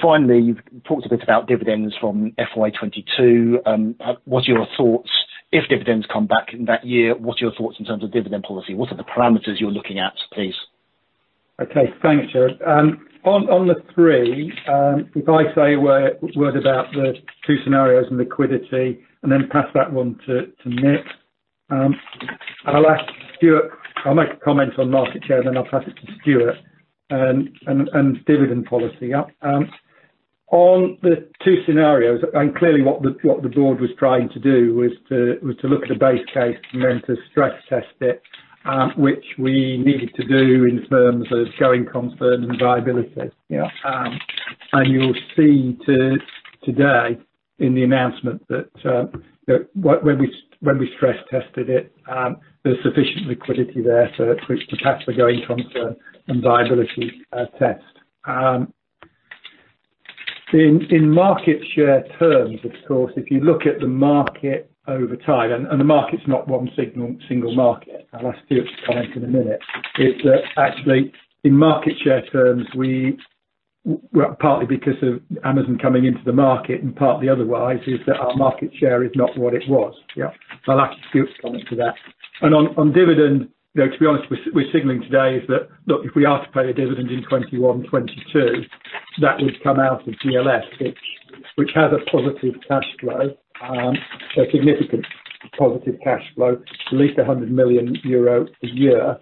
Finally, you've talked a bit about dividends from FY 2022. If dividends come back in that year, what are your thoughts in terms of dividend policy? What are the parameters you're looking at, please? Okay. Thanks, Gerald. On the three, if I say a word about the two scenarios and liquidity, then pass that one to Mick. I'll make a comment on market share, then I'll pass it to Stuart and dividend policy. On the two scenarios, clearly what the board was trying to do was to look at a base case then to stress test it, which we needed to do in terms of going concern and viability. You'll see today in the announcement that when we stress tested it, there's sufficient liquidity there for it to pass the going concern and viability test. In market share terms, of course, if you look at the market over time, and the market's not one single market. I'll ask Stuart to comment in a minute. Is that actually, in market share terms, partly because of Amazon coming into the market and partly otherwise, is that our market share is not what it was. Yeah. I'll ask Stuart to comment to that. On dividend, to be honest, we're signaling today is that, look, if we are to pay a dividend in 2021, 2022, that would come out of GLS, which has a positive cash flow, so significant positive cash flow, at least 100 million euro a year.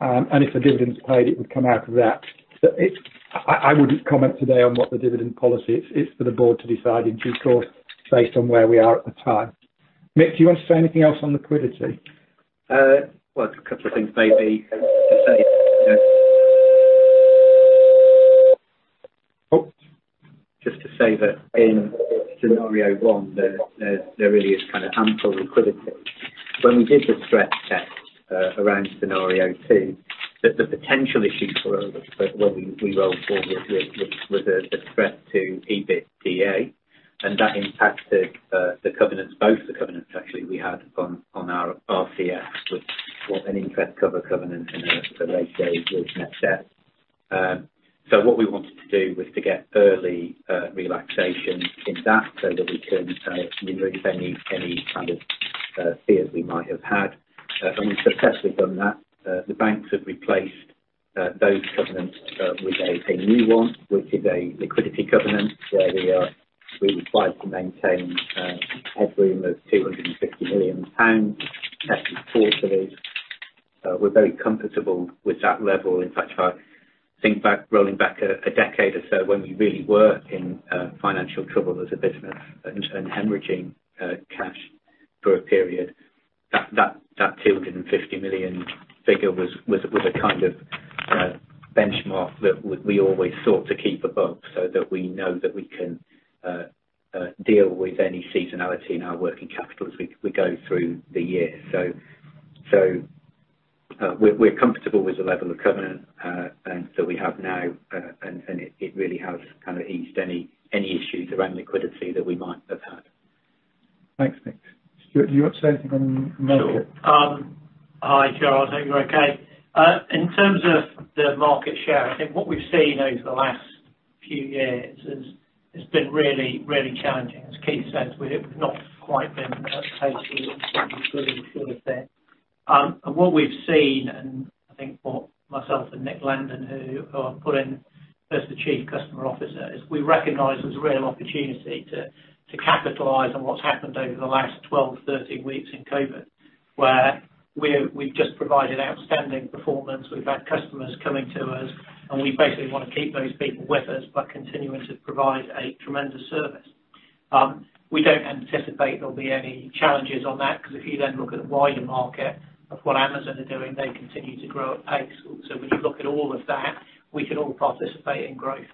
If the dividend's paid, it would come out of that. I wouldn't comment today on what the dividend policy is. It's for the board to decide in due course, based on where we are at the time. Mick, do you want to say anything else on liquidity? Well, a couple of things maybe to say. Just to say that in scenario one, there really is ample liquidity. When we did the stress test around scenario two, that the potential issues for us when we roll forward was the threat to EBITDA. That impacted both the covenants actually we had on our CS, which was an interest cover covenant in the late days with NetSet. What we wanted to do was to get early relaxation in that so that we can remove any kind of fears we might have had. We've successfully done that. The banks have replaced those covenants with a new one, which is a liquidity covenant, where we are really required to maintain headroom of GBP 250 million tested quarterly. We're very comfortable with that level. In fact, if I think back, rolling back a decade or so when we really were in financial trouble as a business and hemorrhaging cash for a period, that 250 million figure was a kind of benchmark that we always sought to keep above so that we know that we can deal with any seasonality in our working capital as we go through the year. We're comfortable with the level of covenant that we have now, and it really has kind of eased any issues around liquidity that we might have had. Thanks, Mick. Stuart, do you want to say anything on the market? Sure. Hi, Gerald. Hope you're okay. In terms of the market share, I think what we've seen over the last few years has been really challenging. As Keith says, we have not quite been as hasty as we should have been. What we've seen, and I think for myself and Nick Landon, who I've put in as the Chief Customer Officer, is we recognize there's a real opportunity to capitalize on what's happened over the last 12, 13 weeks in COVID, where we've just provided outstanding performance. We've had customers coming to us, and we basically want to keep those people with us by continuing to provide a tremendous service. We don't anticipate there'll be any challenges on that, because if you then look at the wider market of what Amazon are doing, they continue to grow at pace. When you look at all of that, we can all participate in growth.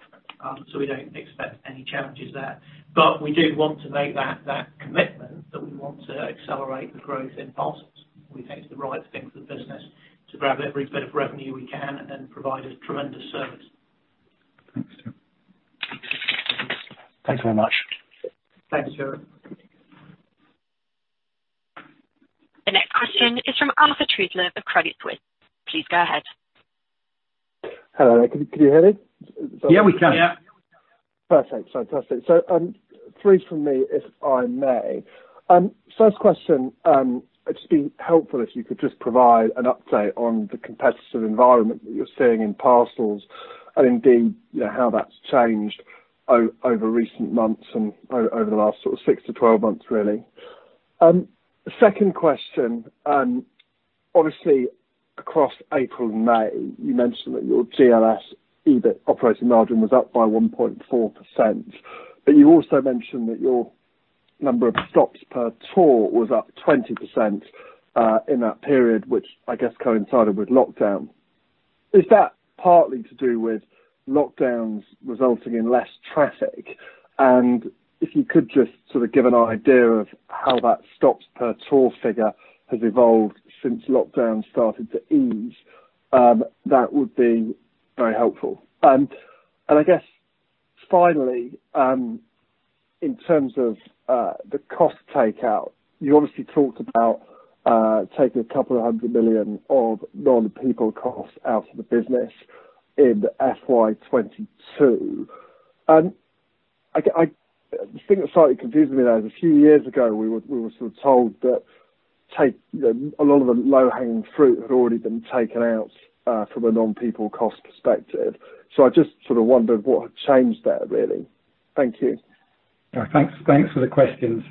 We don't expect any challenges there. We do want to make that commitment that we want to accelerate the growth in parcels. We think it's the right thing for the business to grab every bit of revenue we can and then provide a tremendous service. Thanks very much. Thanks, Gerald. The next question is from Arthur Truslove of Credit Suisse. Please go ahead. Hello there. Can you hear me? Yeah, we can. Yeah. Perfect. Fantastic. Three from me, if I may. First question, it'd just be helpful if you could just provide an update on the competitive environment that you're seeing in parcels and indeed how that's changed over recent months and over the last sort of 6-12 months, really. Second question, obviously across April and May, you mentioned that your GLS EBIT operating margin was up by 1.4%. You also mentioned that your number of stops per tour was up 20% in that period, which I guess coincided with lockdown. Is that partly to do with lockdowns resulting in less traffic? If you could just sort of give an idea of how that stops per tour figure has evolved since lockdown started to ease that would be very helpful. I guess finally, in terms of the cost takeout, you obviously talked about taking a couple of hundred million of non-people costs out of the business in FY 2022. The thing that slightly confused me there is a few years ago, we were sort of told that a lot of the low-hanging fruit had already been taken out from a non-people cost perspective. I just sort of wondered what had changed there, really. Thank you. Thanks for the questions.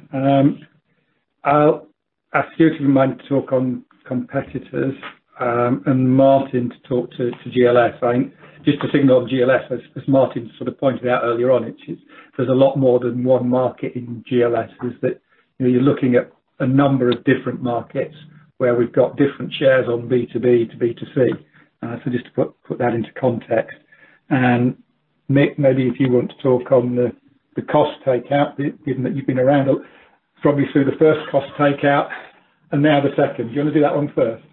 I'll ask Stuart to remind to talk on competitors, and Martin to talk to GLS. Just to signal on GLS, as Martin sort of pointed out earlier on, there's a lot more than one market in GLS is that you're looking at a number of different markets where we've got different shares on B2B to B2C. Just to put that into context. Mick, maybe if you want to talk on the cost takeout, given that you've been around probably through the first cost takeout and now the second. Do you want to do that one first?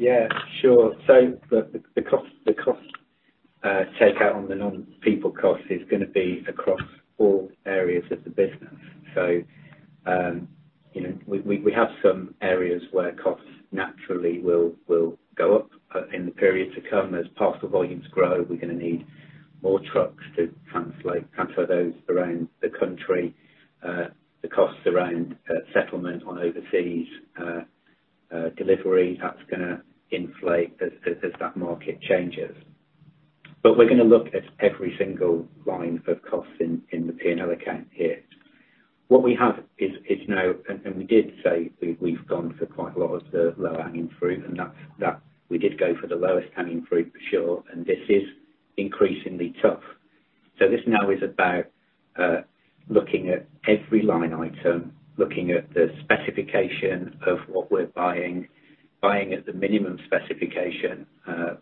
Yeah, sure. The cost takeout on the non-people cost is going to be across all areas of the business. We have some areas where costs naturally will go up in the period to come. As parcel volumes grow, we're going to need more trucks to transfer those around the country. The costs around settlement on overseas delivery, that's going to inflate as that market changes. We're going to look at every single line of costs in the P&L account here. We did say we've gone for quite a lot of the low-hanging fruit, and we did go for the lowest hanging fruit for sure, and this is increasingly tough. This now is about looking at every line item, looking at the specification of what we're buying at the minimum specification.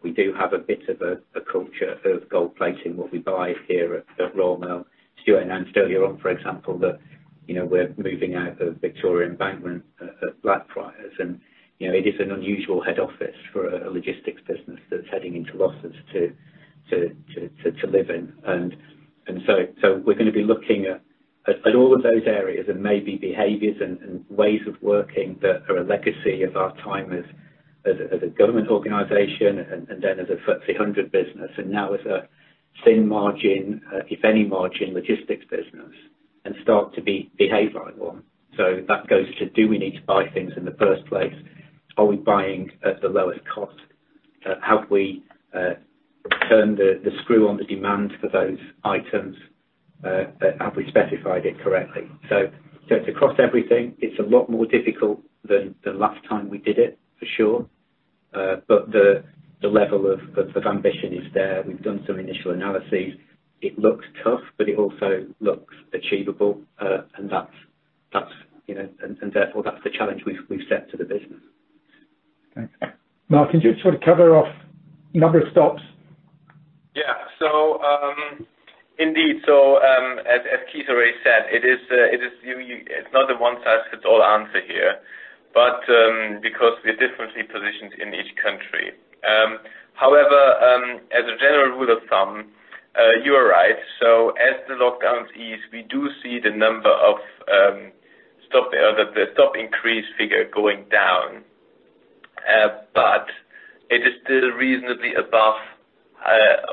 We do have a bit of a culture of gold plating what we buy here at Royal Mail. Stuart announced earlier on, for example, that we're moving out of Victoria Embankment at Blackfriars, and it is an unusual head office for a logistics business that's heading into losses to. To live in. We're going to be looking at all of those areas and maybe behaviors and ways of working that are a legacy of our time as a government organization, and then as a FTSE 100 business, and now as a thin margin, if any margin, logistics business, and start to behave like one. That goes to do we need to buy things in the first place? Are we buying at the lowest cost? Have we turned the screw on the demand for those items? Have we specified it correctly? It's across everything. It's a lot more difficult than the last time we did it, for sure. The level of ambition is there. We've done some initial analyses. It looks tough, but it also looks achievable. Therefore, that's the challenge we've set to the business. Thanks. Martin, do you sort of cover off number of stops? Yeah. Indeed. As Keith already said, it's not a one-size-fits-all answer here, because we are differently positioned in each country. However, as a general rule of thumb, you are right. As the lockdowns ease, we do see the number of the stop increase figure going down. It is still reasonably above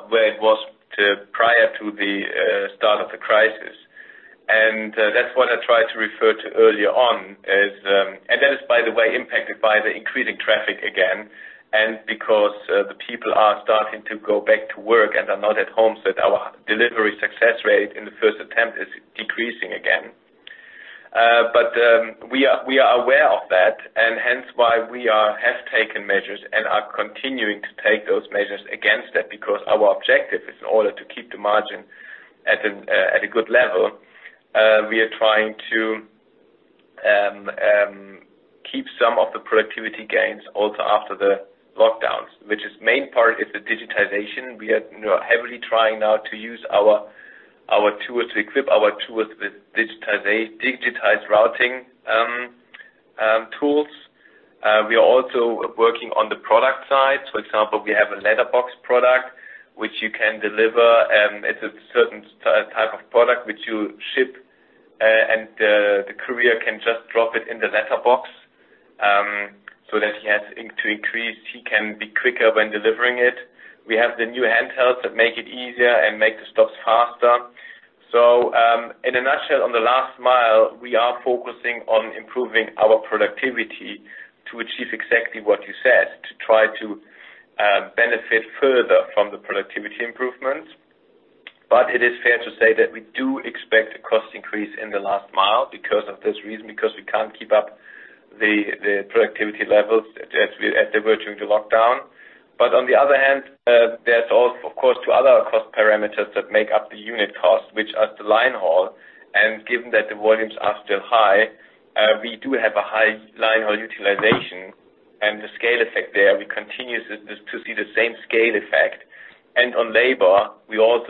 where it was prior to the start of the crisis. That is, by the way, impacted by the increasing traffic again, and because the people are starting to go back to work and are not at home, so our delivery success rate in the first attempt is decreasing again. We are aware of that, and hence why we have taken measures and are continuing to take those measures against that because our objective is in order to keep the margin at a good level. We are trying to keep some of the productivity gains also after the lockdowns, which main part is the digitization. We are heavily trying now to use our tools, to equip our tools with digitized routing tools. We are also working on the product side. For example, we have a letterbox product, which you can deliver. It's a certain type of product which you ship, and the courier can just drop it in the letterbox so that he can be quicker when delivering it. We have the new handhelds that make it easier and make the stops faster. In a nutshell, on the last mile, we are focusing on improving our productivity to achieve exactly what you said, to try to benefit further from the productivity improvements. It is fair to say that we do expect a cost increase in the last mile because of this reason, because we can't keep up the productivity levels as they were during the lockdown. On the other hand, there's also, of course, two other cost parameters that make up the unit cost, which are the line haul. Given that the volumes are still high, we do have a high line haul utilization and the scale effect there. We continue to see the same scale effect. On labor,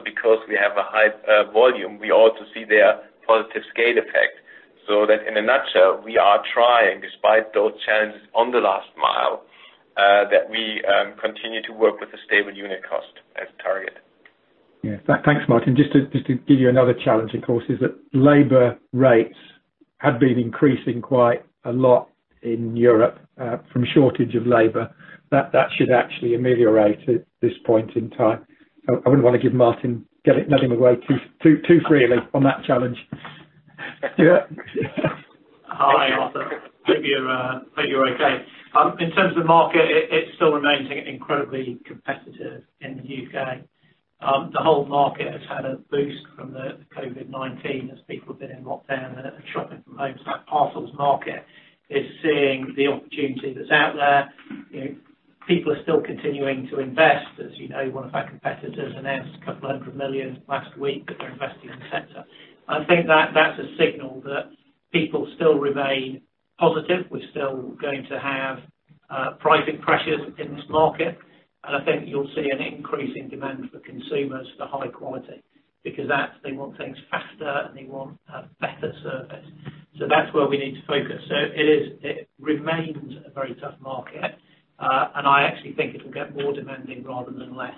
because we have a high volume, we also see there positive scale effect. That in a nutshell, we are trying, despite those challenges on the last mile, that we continue to work with a stable unit cost as a target. Yeah. Thanks, Martin. Just to give you another challenge, of course, is that labor rates have been increasing quite a lot in Europe from shortage of labor. That should actually ameliorate at this point in time. I wouldn't want to let him away too freely on that challenge. Hi, Arthur. Hope you're okay. In terms of market, it still remains incredibly competitive in the U.K. The whole market has had a boost from the COVID-19 as people have been in lockdown and are shopping from home. That parcels market is seeing the opportunity that's out there. People are still continuing to invest. As you know, one of our competitors announced 200 million last week that they're investing in the sector. I think that's a signal that people still remain positive. We're still going to have pricing pressures in this market, and I think you'll see an increase in demand for consumers for high quality because they want things faster, and they want better service. That's where we need to focus. It remains a very tough market. I actually think it'll get more demanding rather than less.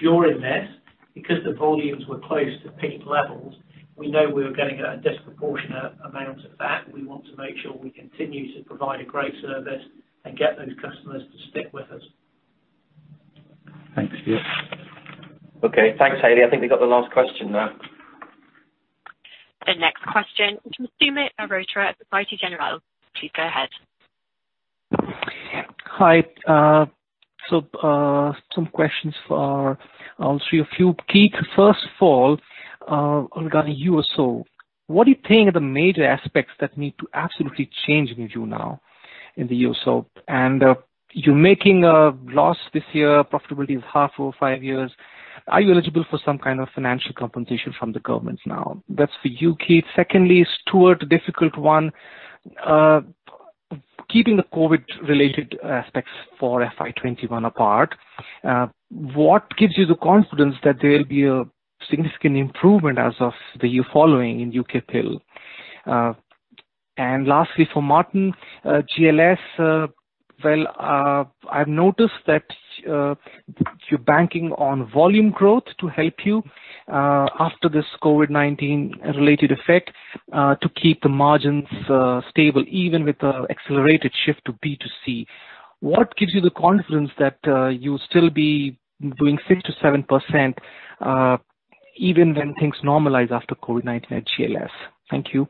During this, because the volumes were close to peak levels, we know we were getting a disproportionate amount of that. We want to make sure we continue to provide a great service and get those customers to stick with us. Thanks, Keith. Okay, thanks, Arthur. I think we got the last question now. The next question from Sumeet Arora at Société Générale. Please go ahead. Hi. Some questions for all three of you. Keith, first of all, regarding USO. What do you think are the major aspects that need to absolutely change in you now in the USO? You're making a loss this year, profitability is half of five years. Are you eligible for some kind of financial compensation from the government now? That's for you, Keith. Secondly, Stuart, a difficult one. Keeping the COVID related aspects for FY 2021 apart, what gives you the confidence that there will be a significant improvement as of the year following in UKPIL? Lastly for Martin. GLS, well, I've noticed that you're banking on volume growth to help you, after this COVID-19 related effect, to keep the margins stable, even with the accelerated shift to B2C.What gives you the confidence that you'll still be doing 6%-7%, even when things normalize after COVID-19 at GLS? Thank you.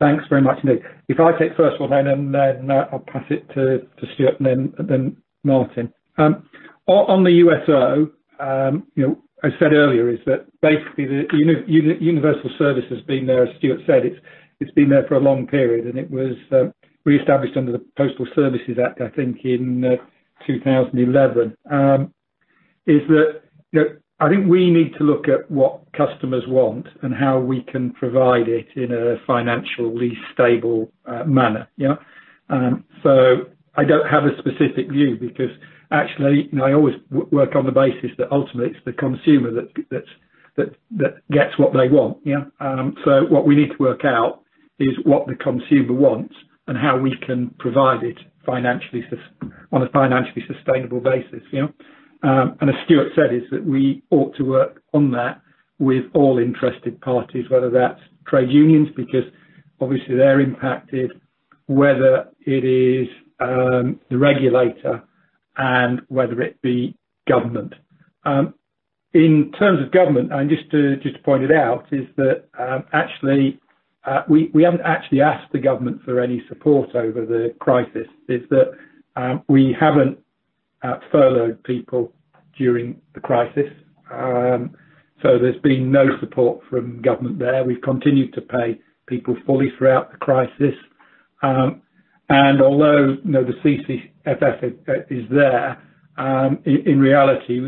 Thanks very much, Sumeet. If I take first one then, and then I'll pass it to Stuart, and then Martin. On the USO, I said earlier is that basically the universal service has been there, as Stuart said, it's been there for a long period, and it was reestablished under the Postal Services Act, I think, in 2011. I think we need to look at what customers want and how we can provide it in a financially stable manner. I don't have a specific view because actually, I always work on the basis that ultimately it's the consumer that gets what they want. What we need to work out is what the consumer wants and how we can provide it on a financially sustainable basis. As Stuart said, we ought to work on that with all interested parties, whether that's trade unions, because obviously they're impacted, whether it is the regulator and whether it be government. In terms of government, just to point it out, actually, we haven't actually asked the government for any support over the crisis. We haven't furloughed people during the crisis. There's been no support from government there. We've continued to pay people fully throughout the crisis. Although the CCFF is there, in reality,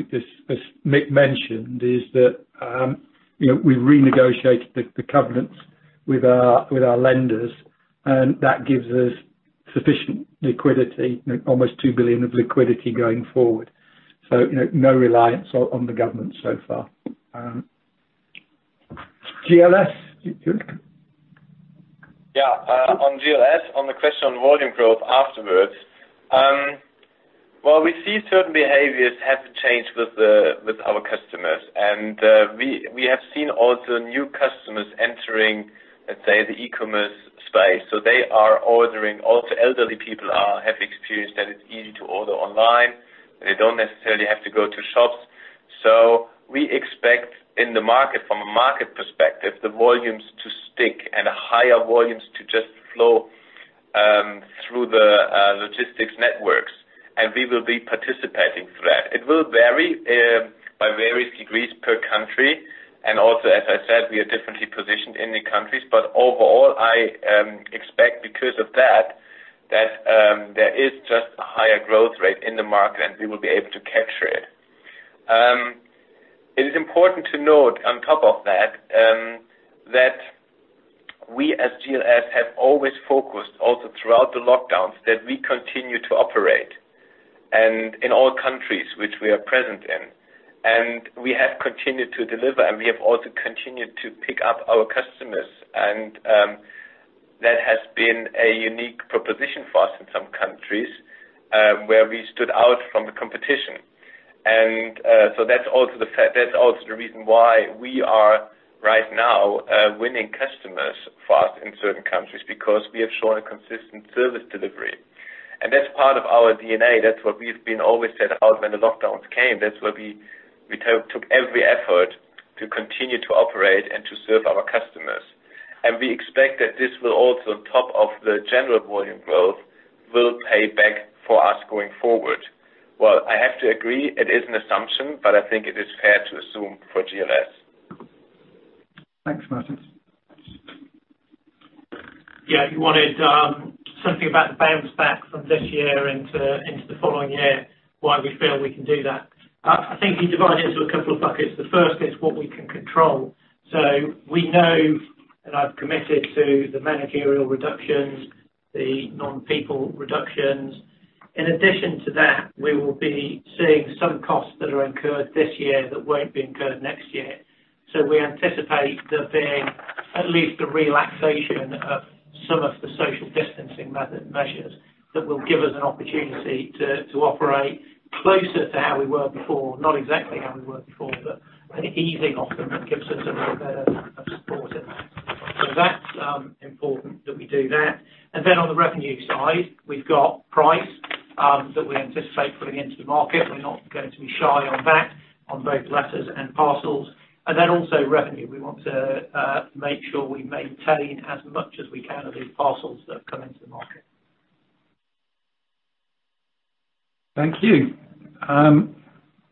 as Mick mentioned, we renegotiated the covenants with our lenders, and that gives us sufficient liquidity, almost 2 billion of liquidity going forward. No reliance on the government so far. GLS, Stuart? Yeah. On GLS, on the question on volume growth afterwards. Well, we see certain behaviors have changed with our customers. We have seen also new customers entering, let's say, the e-commerce space. They are ordering. Also, elderly people have experienced that it's easy to order online. They don't necessarily have to go to shops. We expect in the market, from a market perspective, the volumes to stick and higher volumes to just flow through the logistics networks, and we will be participating through that. It will vary by various degrees per country. Also, as I said, we are differently positioned in the countries. Overall, I expect because of that there is just a higher growth rate in the market, and we will be able to capture it. It is important to note on top of that we, as GLS, have always focused also throughout the lockdowns, that we continue to operate and in all countries which we are present in. We have continued to deliver, and we have also continued to pick up our customers. That has been a unique proposition for us in some countries, where we stood out from the competition. That's also the reason why we are right now winning customers for us in certain countries, because we have shown a consistent service delivery. That's part of our DNA. That's what we've been always set out when the lockdowns came. That's where we took every effort to continue to operate and to serve our customers. We expect that this will also top off the general volume growth will pay back for us going forward. Well, I have to agree, it is an assumption, but I think it is fair to assume for GLS. Thanks. Martin. Yeah, if you wanted something about the bounce back from this year into the following year, why we feel we can do that. I think you divide it into a couple of buckets. The first is what we can control. We know, and I've committed to the managerial reductions, the non-people reductions. In addition to that, we will be seeing some costs that are incurred this year that won't be incurred next year. We anticipate there being at least a relaxation of some of the social distancing measures that will give us an opportunity to operate closer to how we were before. Not exactly how we were before, but an easing of them that gives us a little bit of support in that. That's important that we do that. On the revenue side, we've got price that we anticipate putting into the market. We're not going to be shy on that, on both letters and parcels, and also revenue. We want to make sure we maintain as much as we can of these parcels that have come into the market. Thank you.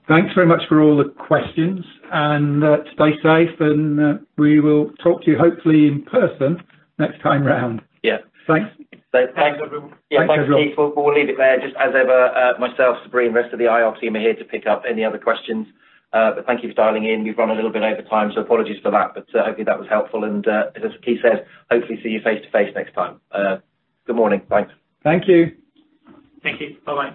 Thanks very much for all the questions, and stay safe, and we will talk to you, hopefully, in person next time round. Yeah. Thanks. [inaudible] Yeah. Thanks, Keith. We'll leave it there. Just as ever, myself, Sabreen, the rest of the IR team are here to pick up any other questions. Thank you for dialing in. We've run a little bit over time, so apologies for that. Hopefully, that was helpful. As Keith said, hopefully see you face-to-face next time. Good morning. Thanks. Thank you. Thank you. Bye-bye.